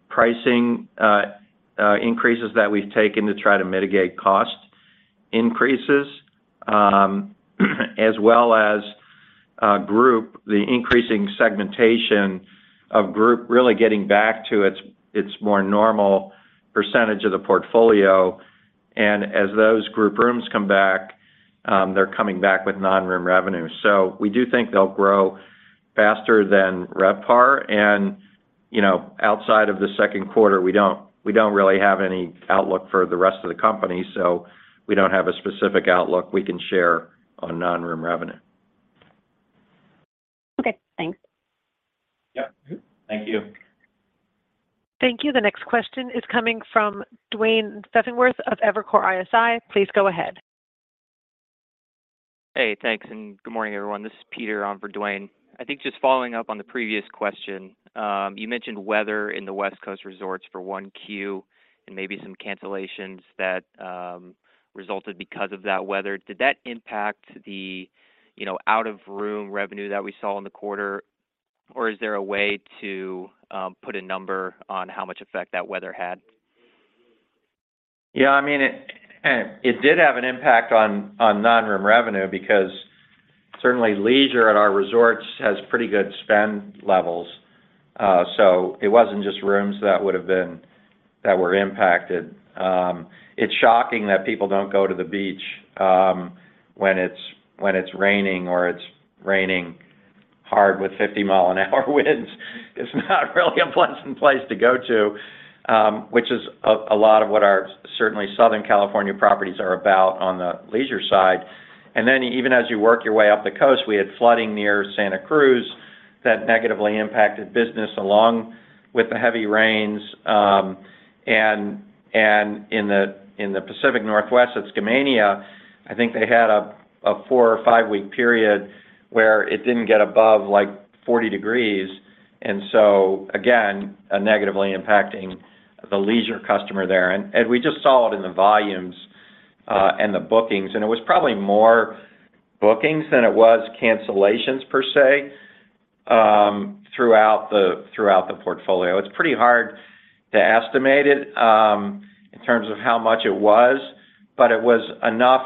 Pricing increases that we've taken to try to mitigate cost increases, as well as group, the increasing segmentation of group really getting back to its more normal percentage of the portfolio. As those group rooms come back, they're coming back with non-room revenue. We do think they'll grow faster than RevPAR. You know, outside of the second quarter, we don't really have any outlook for the rest of the company, we don't have a specific outlook we can share on non-room revenue. Okay. Thanks. Yep. Thank you. Thank you. The next question is coming from Duane Pfennigwerth of Evercore ISI. Please go ahead. Hey, thanks, good morning, everyone. This is Peter on for Duane. I think just following up on the previous question, you mentioned weather in the West Coast resorts for 1Q and maybe some cancellations that resulted because of that weather. Did that impact the, you know, out-of-room revenue that we saw in the quarter? Or is there a way to put a number on how much effect that weather had? I mean, it did have an impact on non-room revenue because certainly leisure at our resorts has pretty good spend levels. It wasn't just rooms that were impacted. It's shocking that people don't go to the beach when it's raining or it's raining hard with 50 mile an hour winds. It's not really a pleasant place to go to, which is a lot of what our certainly Southern California properties are about on the leisure side. Even as you work your way up the coast, we had flooding near Santa Cruz that negatively impacted business, along with the heavy rains. In the Pacific Northwest at Skamania, I think they had a four or five-week period where it didn't get above, like, 40 degrees. Again, negatively impacting the leisure customer there. We just saw it in the volumes, and the bookings, and it was probably more bookings than it was cancellations per se, throughout the portfolio. It's pretty hard to estimate it, in terms of how much it was, but it was enough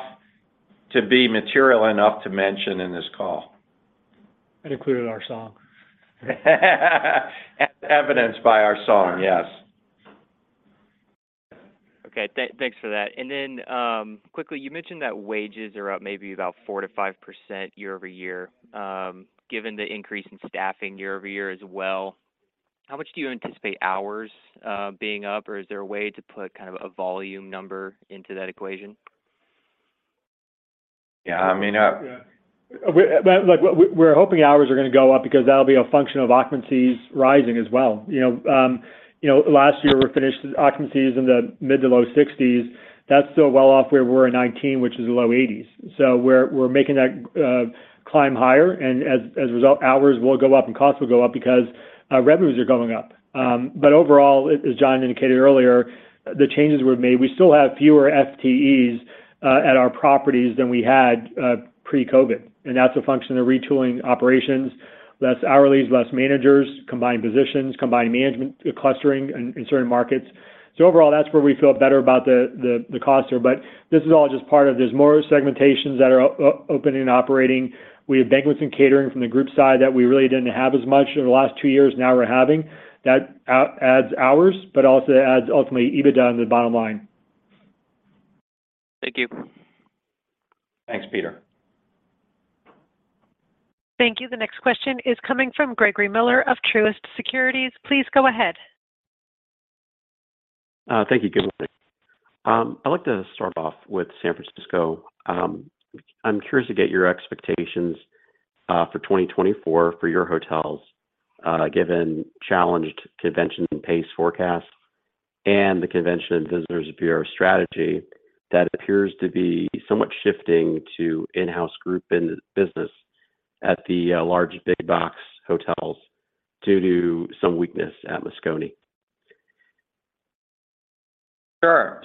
to be material enough to mention in this call. It included our song. As evidenced by our song, yes. Okay. Thanks for that. Then, quickly, you mentioned that wages are up maybe about 4%-5% year-over-year. Given the increase in staffing year-over-year as well, how much do you anticipate hours being up? Or is there a way to put kind of a volume number into that equation? Yeah, I mean. Yeah. Like, we're hoping hours are gonna go up because that'll be a function of occupancies rising as well. You know, last year we finished occupancies in the mid to low 60s. That's still well off where we were in 2019, which is low 80s. We're making that climb higher. As a result, hours will go up and costs will go up because revenues are going up. Overall, as Jon indicated earlier, the changes we've made, we still have fewer FTEs at our properties than we had pre-COVID, and that's a function of retooling operations, less hourlies, less managers, combined positions, combined management clustering in certain markets. Overall, that's where we feel better about the costs are. This is all just part of there's more segmentations that are opening and operating. We have banquets and catering from the group side that we really didn't have as much over the last two years, now we're having. That adds hours, but also adds ultimately EBITDA on the bottom line. Thank you. Thanks, Peter. Thank you. The next question is coming from Gregory Miller of Truist Securities. Please go ahead. Thank you. Good morning. I'd like to start off with San Francisco. I'm curious to get your expectations for 2024 for your hotels, given challenged convention pace forecasts and the Convention and Visitors Bureau strategy that appears to be somewhat shifting to in-house group and business at the large big box hotels due to some weakness at Moscone. Sure.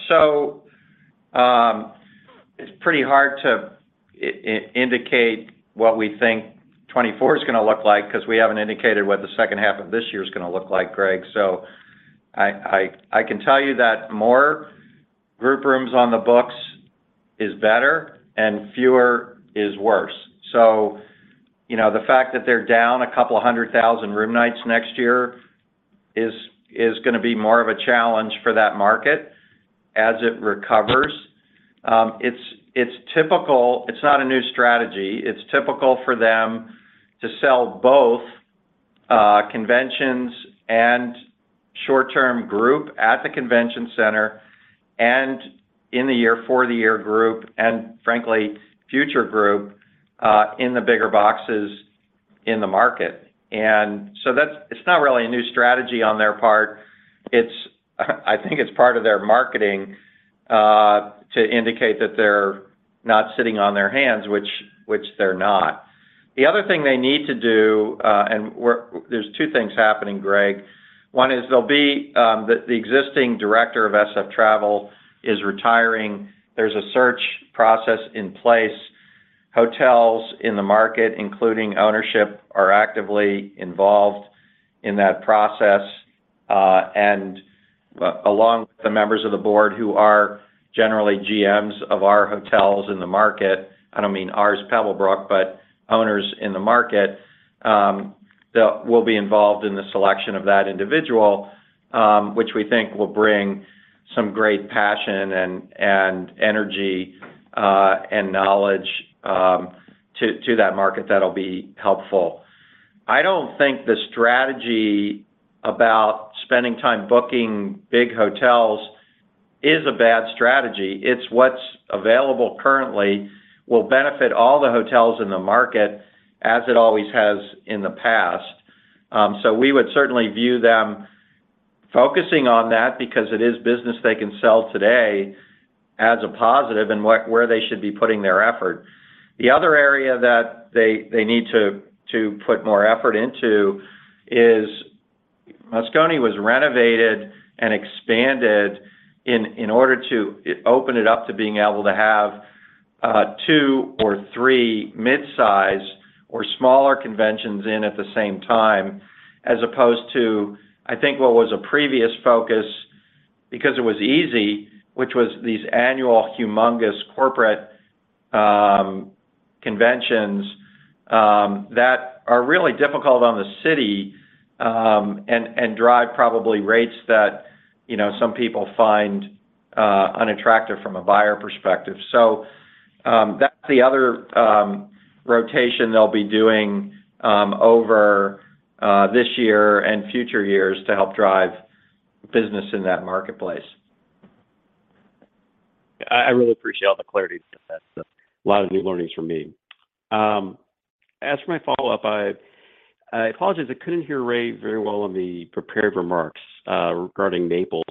It's pretty hard to indicate what we think 2024 is gonna look like because we haven't indicated what the second half of this year is gonna look like, Greg. I can tell you that more group rooms on the books is better and fewer is worse. You know, the fact that they're down a couple hundred thousand room nights next year is gonna be more of a challenge for that market as it recovers. It's typical. It's not a new strategy. It's typical for them to sell both conventions and short-term group at the convention center and in the year, for the year group and frankly, future group in the bigger boxes in the market. That's not really a new strategy on their part. It's, I think it's part of their marketing to indicate that they're not sitting on their hands, which they're not. The other thing they need to do. There's two things happening, Greg. One is they'll be the existing director of San Francisco Travel is retiring. There's a search process in place. Hotels in the market, including ownership, are actively involved in that process, and along with the members of the board who are generally GMs of our hotels in the market, I don't mean ours, Pebblebrook, but owners in the market, that will be involved in the selection of that individual, which we think will bring some great passion and energy, and knowledge to that market that'll be helpful. I don't think the strategy about spending time booking big hotels is a bad strategy. It's what's available currently will benefit all the hotels in the market as it always has in the past. We would certainly view them focusing on that because it is business they can sell today as a positive and where they should be putting their effort. The other area that they need to put more effort into is Moscone was renovated and expanded in order to open it up to being able to have two or three mid-size or smaller conventions in at the same time, as opposed to, I think, what was a previous focus because it was easy, which was these annual humongous corporate conventions that are really difficult on the city and drive probably rates that, you know, some people find unattractive from a buyer perspective. That's the other rotation they'll be doing over this year and future years to help drive business in that marketplace. I really appreciate all the clarity to this. A lot of new learnings for me. As for my follow-up, I apologize, I couldn't hear Ray very well on the prepared remarks regarding Naples.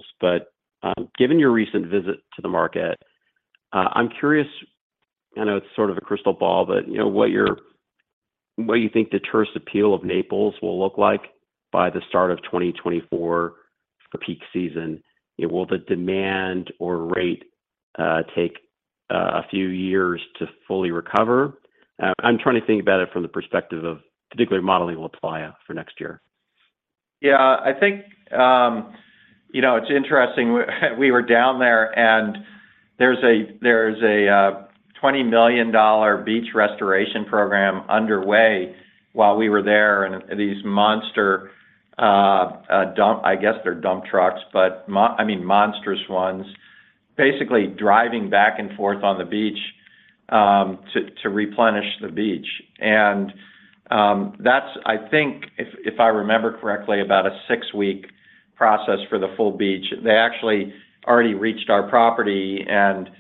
Given your recent visit to the market, I'm curious, I know it's sort of a crystal ball, but, you know, what you think the tourist appeal of Naples will look like by the start of 2024 for peak season. Will the demand or rate take a few years to fully recover? I'm trying to think about it from the perspective of particularly modeling LaPlaya for next year. Yeah, I think, you know, it's interesting. We were down there, and there's a $20 million beach restoration program underway while we were there. These monster, dump, I guess they're dump trucks, but I mean, monstrous ones, basically driving back and forth on the beach, to replenish the beach. That's, I think, if I remember correctly, about a six-week process for the full beach. They actually already reached our property and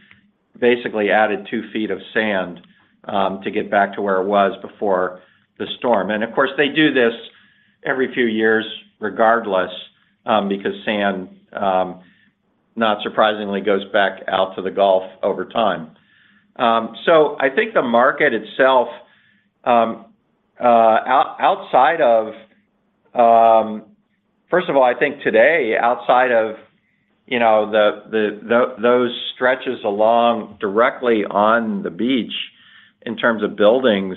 basically added 2 ft of sand to get back to where it was before the storm. Of course, they do this every few years regardless, because sand, not surprisingly, goes back out to the Gulf over time. I think the market itself, outside of... I think today, outside of, you know, those stretches along directly on the beach in terms of buildings,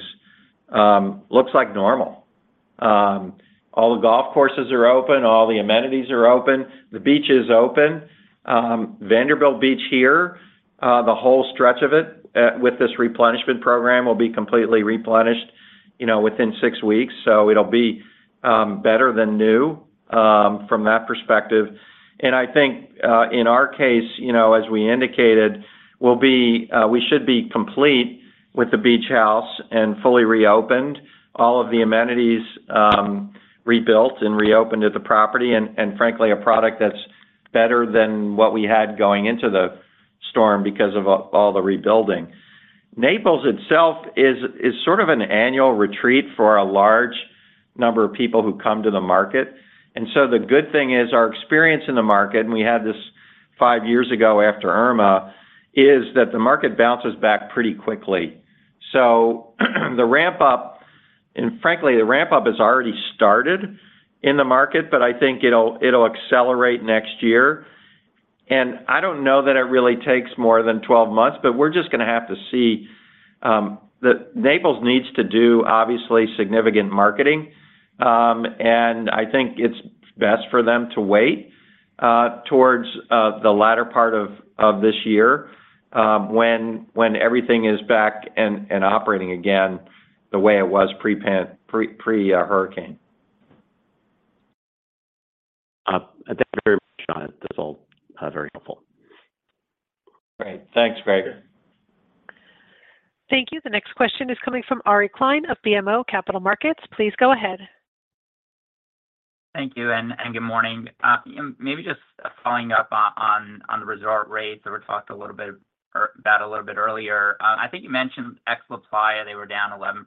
looks like normal. All the golf courses are open, all the amenities are open, the beach is open. Vanderbilt Beach here, the whole stretch of it, with this replenishment program, will be completely replenished, you know, within six weeks. So it'll be better than new from that perspective. And I think, in our case, you know, as we indicated, we should be complete with the beach house and fully reopened all of the amenities, rebuilt and reopened at the property, and frankly, a product that's better than what we had going into the storm because of all the rebuilding. Naples itself is sort of an annual retreat for a large number of people who come to the market. The good thing is our experience in the market, and we had this five years ago after Irma, is that the market bounces back pretty quickly. The ramp up, and frankly, the ramp up has already started in the market, but I think it'll accelerate next year. I don't know that it really takes more than 12 months, but we're just gonna have to see that Naples needs to do obviously significant marketing. I think it's best for them to wait towards the latter part of this year when everything is back and operating again the way it was pre-hurricane. Thank you very much, Jon. That's all, very helpful. Great. Thanks, Gregor. Thank you. The next question is coming from Ari Klein of BMO Capital Markets. Please go ahead. Thank you, and good morning. Maybe just following up on the resort rates that were talked about a little bit earlier. I think you mentioned Xenia, they were down 11%.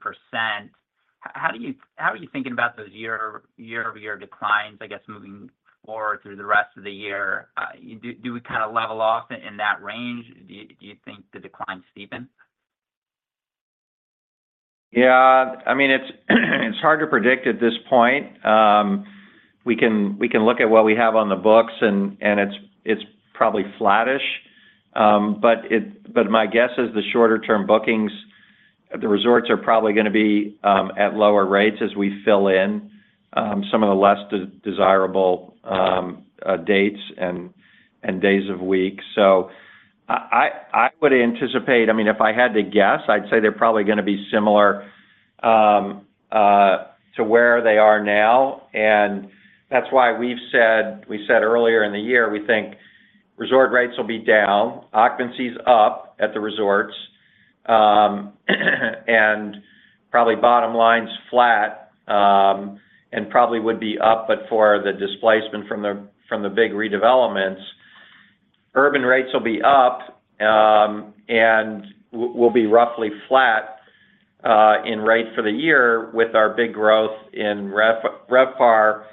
How are you thinking about those year-over-year declines, I guess, moving forward through the rest of the year? Do we kind of level off in that range? Do you think the decline steepens? Yeah, I mean, it's hard to predict at this point. we can, we can look at what we have on the books, and it's probably flattish. but my guess is the shorter-term bookings, the resorts are probably gonna be at lower rates as we fill in some of the less desirable dates and days of week. I, I would anticipate, I mean, if I had to guess, I'd say they're probably gonna be similar to where they are now. That's why we've said, we said earlier in the year, we think resort rates will be down, occupancies up at the resorts, and probably bottom line's flat, and probably would be up but for the displacement from the, from the big redevelopments. Urban rates will be up, and will be roughly flat in rates for the year with our big growth in RevPAR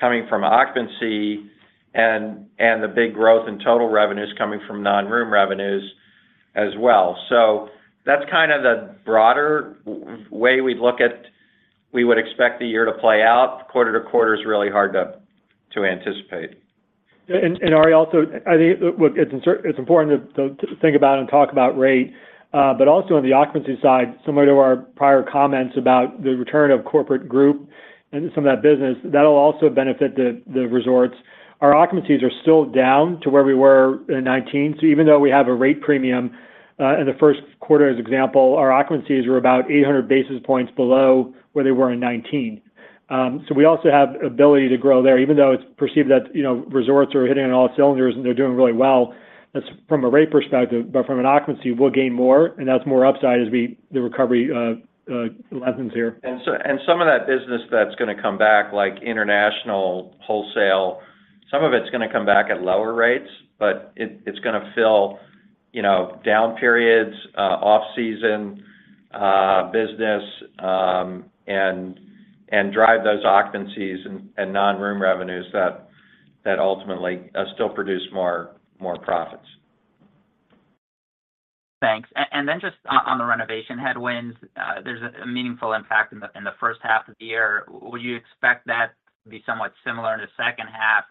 coming from occupancy and the big growth in total revenues coming from non-room revenues as well. That's kind of the broader way we look at we would expect the year to play out. Quarter to quarter is really hard to anticipate. Ari, also, I think, look, it's important to think about and talk about rate, but also on the occupancy side, similar to our prior comments about the return of corporate group and some of that business, that'll also benefit the resorts. Our occupancies are still down to where we were in 19. Even though we have a rate premium in the first quarter, as example, our occupancies were about 800 basis points below where they were in 19. We also have ability to grow there, even though it's perceived that, you know, resorts are hitting on all cylinders, and they're doing really well. That's from a rate perspective, but from an occupancy, we'll gain more, and that's more upside as the recovery lessens here. Some of that business that's gonna come back, like international wholesale, some of it's gonna come back at lower rates, but it's gonna fill, you know, down periods, off-season, business, and drive those occupancies and non-room revenues that ultimately still produce more profits. Thanks. Just on the renovation headwinds, there's a meaningful impact in the, in the first half of the year. Would you expect that to be somewhat similar in the second half?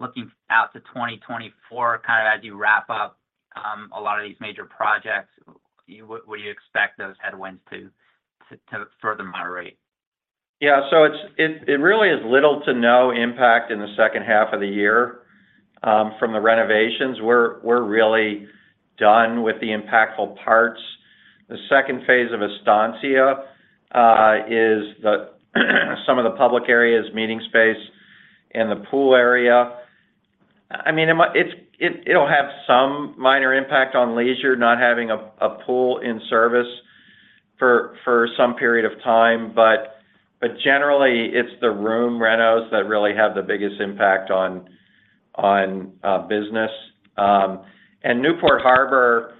Looking out to 2024, kind of as you wrap up, a lot of these major projects, would you expect those headwinds to further moderate? Yeah. It really is little to no impact in the second half of the year from the renovations. We're really done with the impactful parts. The second phase of Estancia is the some of the public areas, meeting space, and the pool area. I mean, it'll have some minor impact on leisure, not having a pool in service for some period of time. Generally, it's the room renos that really have the biggest impact on business. Newport Harbor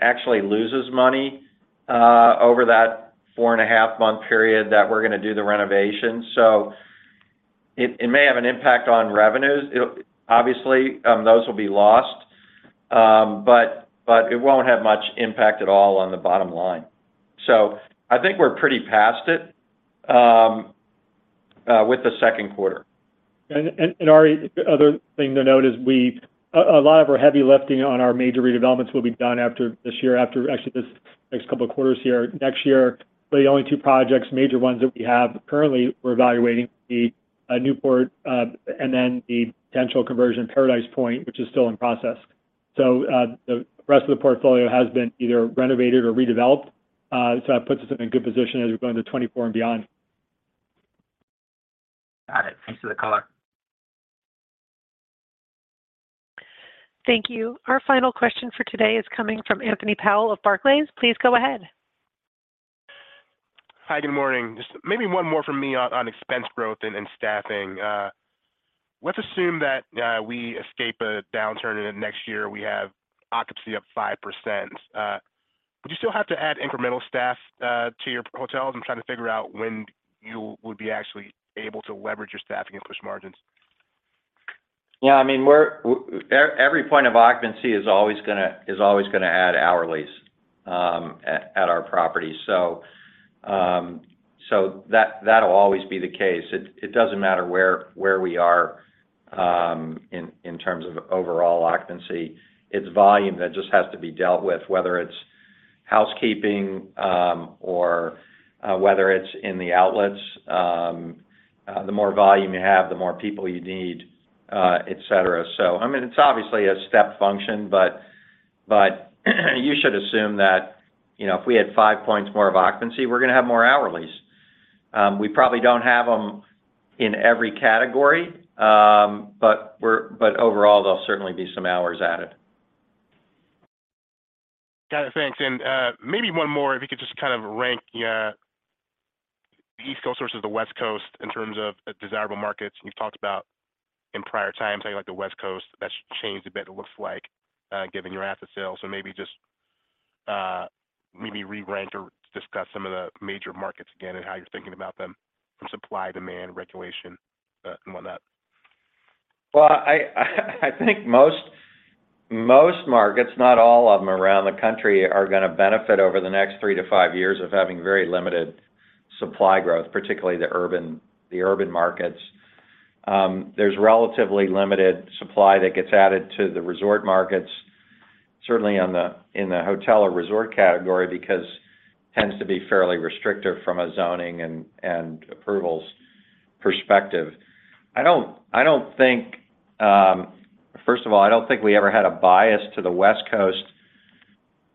actually loses money over that four and a half month period that we're gonna do the renovation. It may have an impact on revenues. Obviously, those will be lost. It won't have much impact at all on the bottom line. I think we're pretty past it, with the second quarter. Ari, other thing to note is lot of our heavy lifting on our major redevelopments will be done after this year, after actually this next couple of quarters here. Next year, the only two projects, major ones that we have currently, we're evaluating the Newport, and then the potential conversion Paradise Point, which is still in process. The rest of the portfolio has been either renovated or redeveloped. That puts us in a good position as we go into 2024 and beyond. Got it. Thanks for the color. Thank you. Our final question for today is coming from Anthony Powell of Barclays. Please go ahead. Hi, good morning. Just maybe one more from me on expense growth and staffing. Let's assume that we escape a downturn, and then next year we have occupancy of 5%. Would you still have to add incremental staff to your hotels? I'm trying to figure out when you would be actually able to leverage your staffing and push margins. Yeah, I mean, every point of occupancy is always gonna add hourlies at our properties. That'll always be the case. It doesn't matter where we are in terms of overall occupancy. It's volume that just has to be dealt with, whether it's housekeeping, or whether it's in the outlets. The more volume you have, the more people you need, et cetera. I mean, it's obviously a step function, but you should assume that, you know, if we had 5 points more of occupancy, we're gonna have more hourlies. We probably don't have them in every category, but overall, there'll certainly be some hours added. Got it. Thanks. Maybe one more, if you could just kind of rank the East Coast versus the West Coast in terms of desirable markets? You've talked about in prior times how you like the West Coast. That's changed a bit it looks like, given your asset sales. Maybe just maybe re-rank or discuss some of the major markets again and how you're thinking about them from supply, demand, regulation, and whatnot? Well, I think most markets, not all of them around the country, are gonna benefit over the next three to five years of having very limited supply growth, particularly the urban markets. There's relatively limited supply that gets added to the resort markets, certainly in the hotel or resort category, because it tends to be fairly restrictive from a zoning and approvals perspective. I don't think, first of all, I don't think we ever had a bias to the West Coast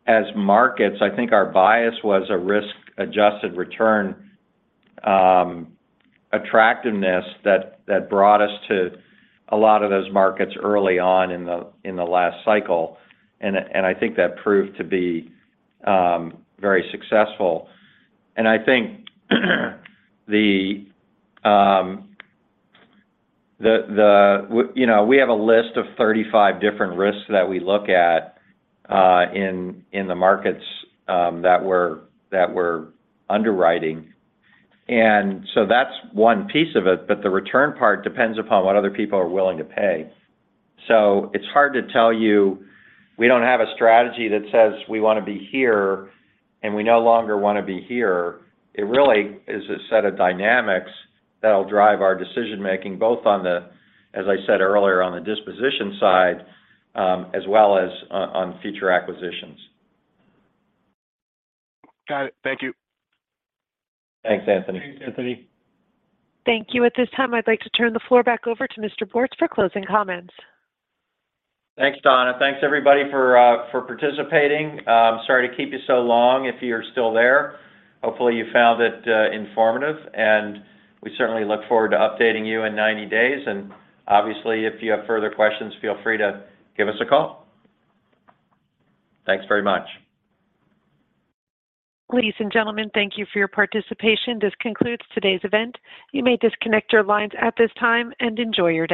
as markets. I think our bias was a risk-adjusted return attractiveness that brought us to a lot of those markets early on in the last cycle. I think that proved to be very successful. I think, you know, we have a list of 35 different risks that we look at in the markets that we're underwriting. That's one piece of it, but the return part depends upon what other people are willing to pay. It's hard to tell you we don't have a strategy that says we wanna be here, and we no longer wanna be here. It really is a set of dynamics that'll drive our decision-making, both on the, as I said earlier, on the disposition side, as well as on future acquisitions. Got it. Thank you. Thanks, Anthony. Thanks, Anthony. Thank you. At this time, I'd like to turn the floor back over to Mr. Bortz for closing comments. Thanks, Donna. Thanks everybody for participating. Sorry to keep you so long if you're still there. Hopefully you found it informative, and we certainly look forward to updating you in 90 days. Obviously, if you have further questions, feel free to give us a call. Thanks very much. Ladies and gentlemen, thank you for your participation. This concludes today's event. You may disconnect your lines at this time, and enjoy your day.